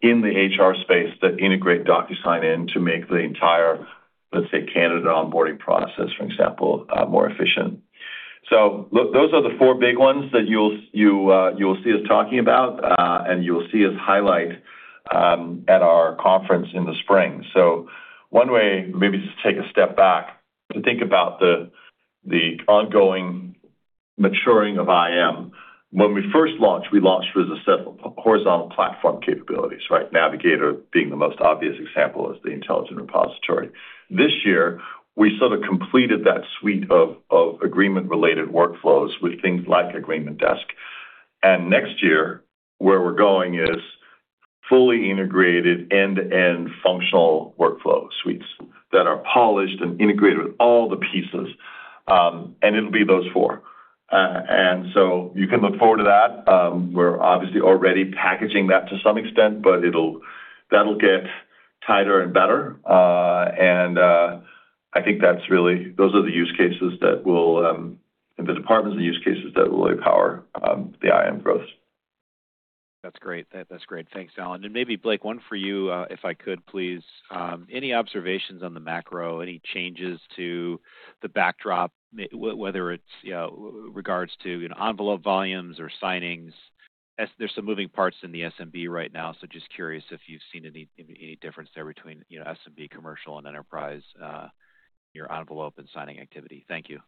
in the HR space that integrate DocuSign into make the entire, let's say, candidate onboarding process, for example, more efficient. So those are the four big ones that you'll see us talking about and you'll see us highlight at our conference in the spring. So one way, maybe just to take a step back to think about the ongoing maturing of IAM, when we first launched, we launched with a set of horizontal platform capabilities, right? Navigator, being the most obvious example, is the intelligent repository. This year, we sort of completed that suite of agreement-related workflows with things like Agreement Desk. And next year, where we're going is fully integrated end-to-end functional workflow suites that are polished and integrated with all the pieces. And it'll be those four. And so you can look forward to that. We're obviously already packaging that to some extent, but that'll get tighter and better. And I think that's really those are the use cases that will and the department's use cases that will empower the IAM growth. That's great. That's great. Thanks, Allan. And maybe, Blake, one for you, if I could, please. Any observations on the macro? Any changes to the backdrop, whether it's regards to envelope volumes or signings? There's some moving parts in the SMB right now, so just curious if you've seen any difference there between SMB Commercial and Enterprise in your envelope and signing activity. Thank you.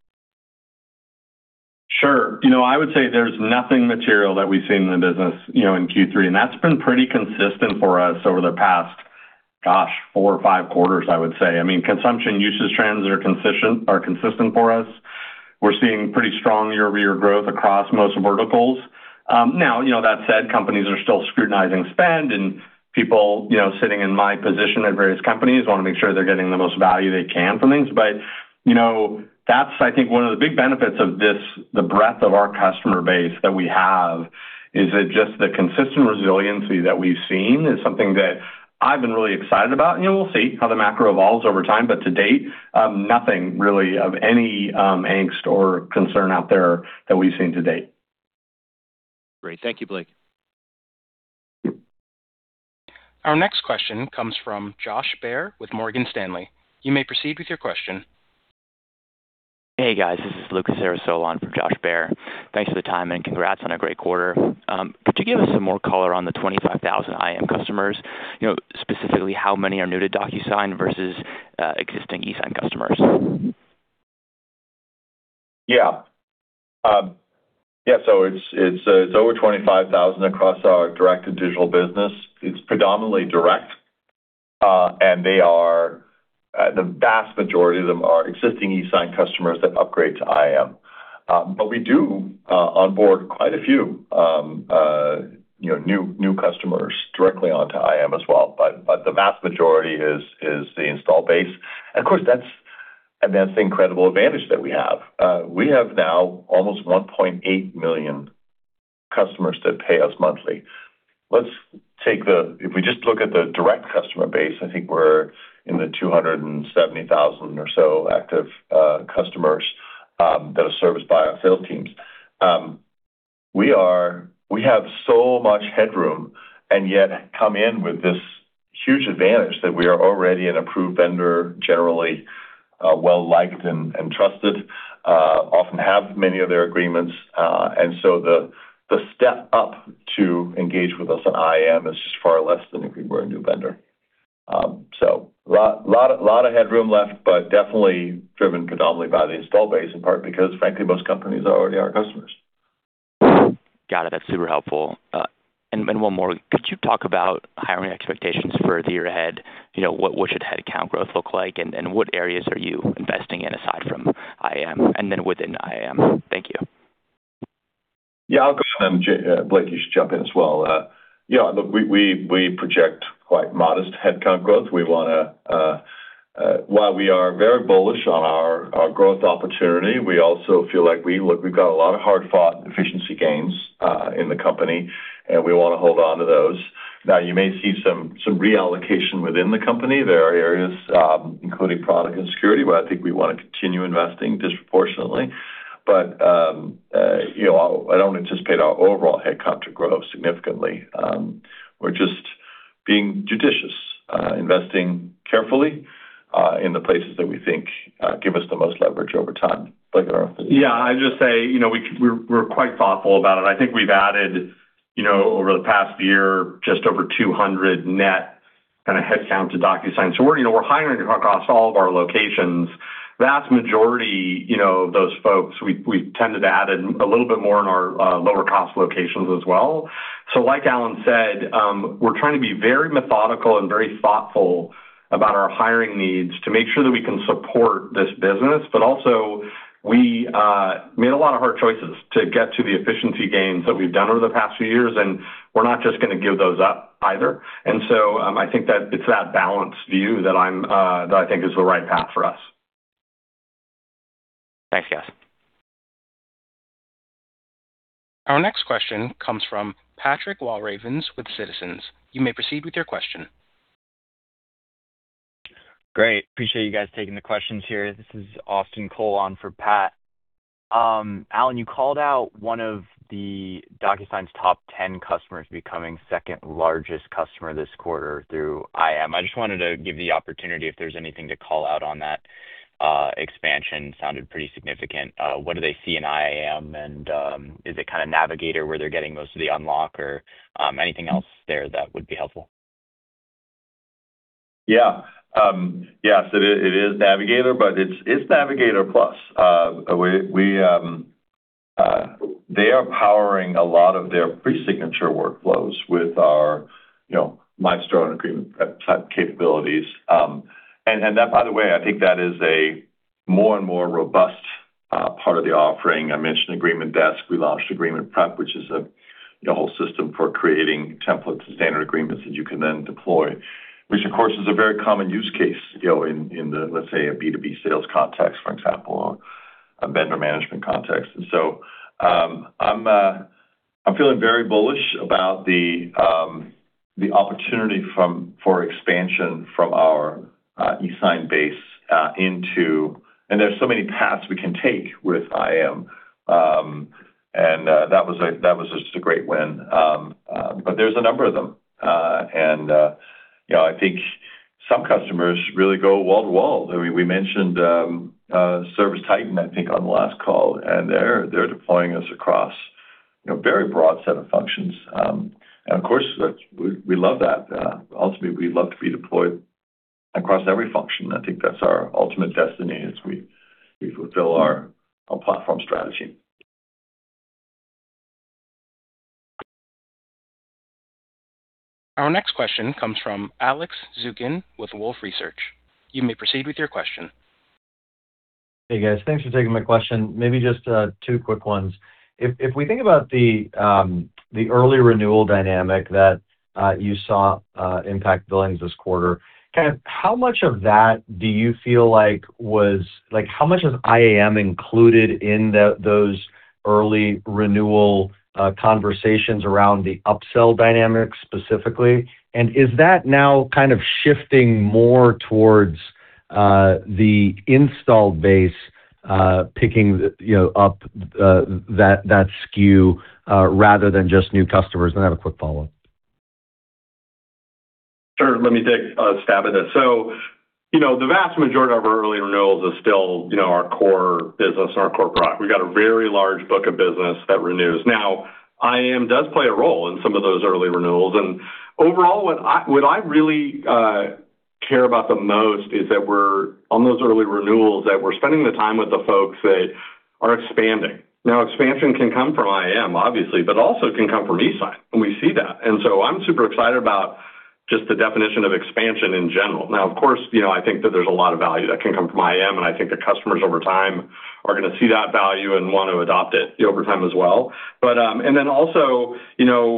Sure. I would say there's nothing material that we've seen in the business in Q3. And that's been pretty consistent for us over the past, gosh, four or five quarters, I would say. I mean, consumption usage trends are consistent for us. We're seeing pretty strong year-over-year growth across most verticals. Now, that said, companies are still scrutinizing spend, and people sitting in my position at various companies want to make sure they're getting the most value they can from things. But that's, I think, one of the big benefits of the breadth of our customer base that we have is that just the consistent resiliency that we've seen is something that I've been really excited about. And we'll see how the macro evolves over time, but to date, nothing really of any angst or concern out there that we've seen to date. Great. Thank you, Blake. Our next question comes from Josh Baer with Morgan Stanley. You may proceed with your question. Hey, guys. This is Lucas Cerisola on Josh Baer. Thanks for the time, and congrats on a great quarter. Could you give us some more color on the 25,000 IAM customers? Specifically, how many are new to DocuSign versus existing eSignature customers? Yeah. Yeah. So it's over 25,000 across our direct-to-digital business. It's predominantly direct, and the vast majority of them are existing eSignature customers that upgrade to IAM. But we do onboard quite a few new customers directly onto IAM as well. But the vast majority is the install base. And of course, that's an incredible advantage that we have. We have now almost 1.8 million customers that pay us monthly. Let's take the if we just look at the direct customer base. I think we're in the 270,000 or so active customers that are serviced by our sales teams. We have so much headroom and yet come in with this huge advantage that we are already an approved vendor, generally well-liked and trusted, often have many of their agreements. And so the step up to engage with us at IAM is just far less than if we were a new vendor. A lot of headroom left, but definitely driven predominantly by the install base, in part because, frankly, most companies are already our customers. Got it. That's super helpful. And one more. Could you talk about hiring expectations for the year ahead? What should headcount growth look like, and what areas are you investing in aside from IAM and then within IAM? Thank you. Yeah. I'll go ahead. And Blake, you should jump in as well. Yeah. Look, we project quite modest headcount growth. We want to, while we are very bullish on our growth opportunity, we also feel like we've got a lot of hard-fought efficiency gains in the company, and we want to hold on to those. Now, you may see some reallocation within the company. There are areas, including product and security, where I think we want to continue investing disproportionately. But I don't anticipate our overall headcount to grow significantly. We're just being judicious, investing carefully in the places that we think give us the most leverage over time. Blake or? Yeah. I'd just say we're quite thoughtful about it. I think we've added, over the past year, just over 200 net kind of headcount to DocuSign. So we're hiring across all of our locations. The vast majority of those folks, we've tended to add in a little bit more in our lower-cost locations as well. So like Allan said, we're trying to be very methodical and very thoughtful about our hiring needs to make sure that we can support this business. But also, we made a lot of hard choices to get to the efficiency gains that we've done over the past few years, and we're not just going to give those up either. And so I think that it's that balanced view that I think is the right path for us. Thanks, guys. Our next question comes from Patrick Walravens with Citizens. You may proceed with your question. Great. Appreciate you guys taking the questions here. This is Austin Cole on for Pat. Allan, you called out one of DocuSign's top 10 customers becoming second-largest customer this quarter through IAM. I just wanted to give you the opportunity if there's anything to call out on that. Expansion sounded pretty significant. What do they see in IAM, and is it kind of Navigator where they're getting most of the unlock or anything else there that would be helpful? Yeah. Yeah. So it is Navigator, but it's Navigator Plus. They are powering a lot of their pre-signature workflows with our milestone agreement-type capabilities. And that, by the way, I think that is a more and more robust part of the offering. I mentioned Agreement Desk. We launched Agreement Prep, which is a whole system for creating templates and standard agreements that you can then deploy, which, of course, is a very common use case in the, let's say, a B2B sales context, for example, or a vendor management context, and so I'm feeling very bullish about the opportunity for expansion from our eSignature base into, and there's so many paths we can take with IAM, and that was just a great win, but there's a number of them, and I think some customers really go wall to wall. I mean, we mentioned ServiceTitan, I think, on the last call, and they're deploying us across a very broad set of functions, and of course, we love that. Ultimately, we'd love to be deployed across every function. I think that's our ultimate destiny as we fulfill our platform strategy. Our next question comes from Alex Zukin with Wolfe Research. You may proceed with your question. Hey, guys. Thanks for taking my question. Maybe just two quick ones. If we think about the early renewal dynamic that you saw impact billings this quarter, kind of how much of that do you feel like was how much is IAM included in those early renewal conversations around the upsell dynamic specifically? And is that now kind of shifting more towards the install base, picking up that SKU rather than just new customers? And I have a quick follow-up. Sure. Let me take a stab at that. So the vast majority of our early renewals is still our core business and our core product. We've got a very large book of business that renews. Now, IAM does play a role in some of those early renewals. Overall, what I really care about the most is that we're on those early renewals, that we're spending the time with the folks that are expanding. Now, expansion can come from IAM, obviously, but also can come from eSignature. We see that. I'm super excited about just the definition of expansion in general. Now, of course, I think that there's a lot of value that can come from IAM, and I think that customers over time are going to see that value and want to adopt it over time as well. Also,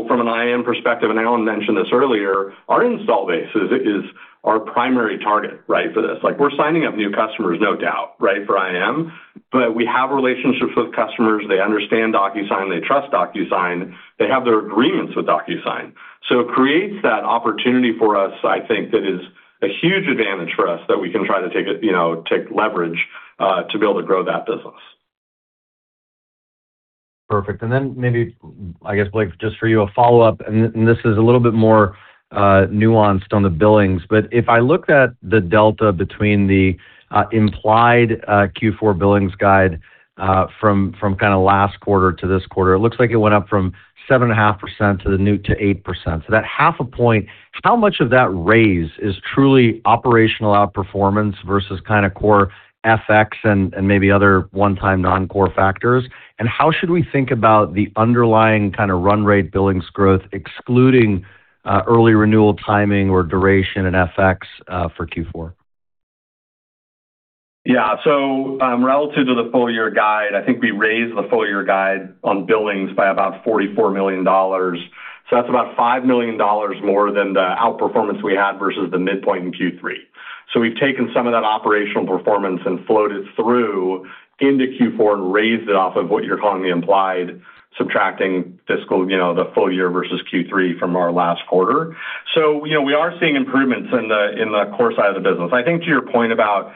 from an IAM perspective, and Allan mentioned this earlier, our install base is our primary target, right, for this. We're signing up new customers, no doubt, right, for IAM. But we have relationships with customers. They understand DocuSign. They trust DocuSign. They have their agreements with DocuSign. So it creates that opportunity for us, I think, that is a huge advantage for us that we can try to take leverage to be able to grow that business. Perfect. And then maybe, I guess, Blake, just for you, a follow-up. And this is a little bit more nuanced on the billings. But if I looked at the delta between the implied Q4 billings guide from kind of last quarter to this quarter, it looks like it went up from 7.5% to 8%. So that half a point, how much of that raise is truly operational outperformance versus kind of core FX and maybe other one-time non-core factors? And how should we think about the underlying kind of run rate billings growth, excluding early renewal timing or duration and FX for Q4? Yeah. So relative to the full-year guide, I think we raised the full-year guide on billings by about $44 million. So that's about $5 million more than the outperformance we had versus the midpoint in Q3. So we've taken some of that operational performance and floated through into Q4 and raised it off of what you're calling the implied subtracting the full-year versus Q3 from our last quarter. So we are seeing improvements in the core side of the business. I think to your point about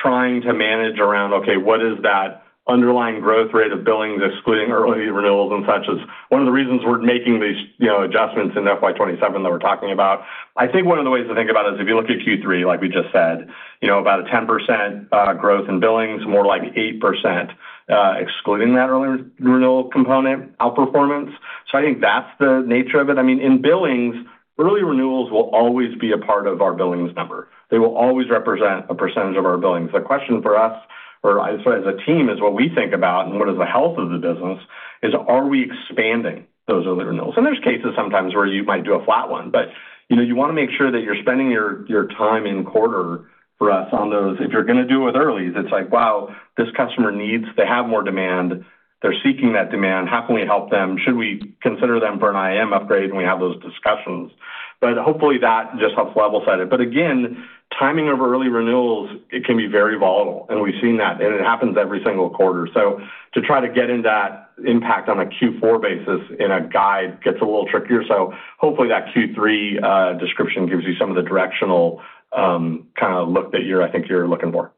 trying to manage around, okay, what is that underlying growth rate of billings, excluding early renewals and such, is one of the reasons we're making these adjustments in FY27 that we're talking about. I think one of the ways to think about it is if you look at Q3, like we just said, about a 10% growth in billings, more like 8%, excluding that early renewal component. Outperformance. So I think that's the nature of it. I mean, in billings, early renewals will always be a part of our billings number. They will always represent a percentage of our billings. The question for us, or as a team, is what we think about and what is the health of the business is, are we expanding those early renewals? And there's cases sometimes where you might do a flat one, but you want to make sure that you're spending your time in quarter for us on those. If you're going to do it with early, it's like, wow, this customer needs they have more demand. They're seeking that demand. How can we help them? Should we consider them for an IAM upgrade and we have those discussions, but hopefully, that just helps level-set it, but again, timing of early renewals, it can be very volatile, and we've seen that, and it happens every single quarter, so to try to get into that impact on a Q4 basis in a guide gets a little trickier, so hopefully, that Q3 description gives you some of the directional kind of look that I think you're looking for.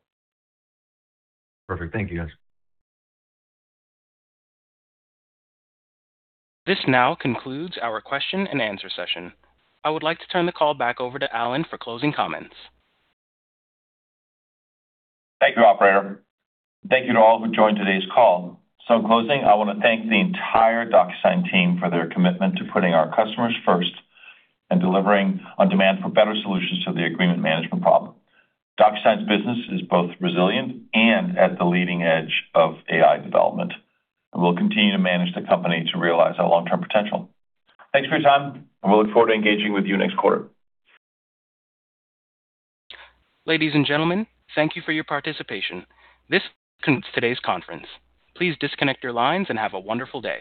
Perfect. Thank you, guys. This now concludes our question-and-answer session. I would like to turn the call back over to Allan for closing comments. Thank you, operator. Thank you to all who joined today's call, so in closing, I want to thank the entire DocuSign team for their commitment to putting our customers first and delivering on demand for better solutions to the agreement management problem. DocuSign's business is both resilient and at the leading edge of AI development. And we'll continue to manage the company to realize our long-term potential. Thanks for your time, and we'll look forward to engaging with you next quarter. Ladies and gentlemen, thank you for your participation. This concludes today's conference. Please disconnect your lines and have a wonderful day.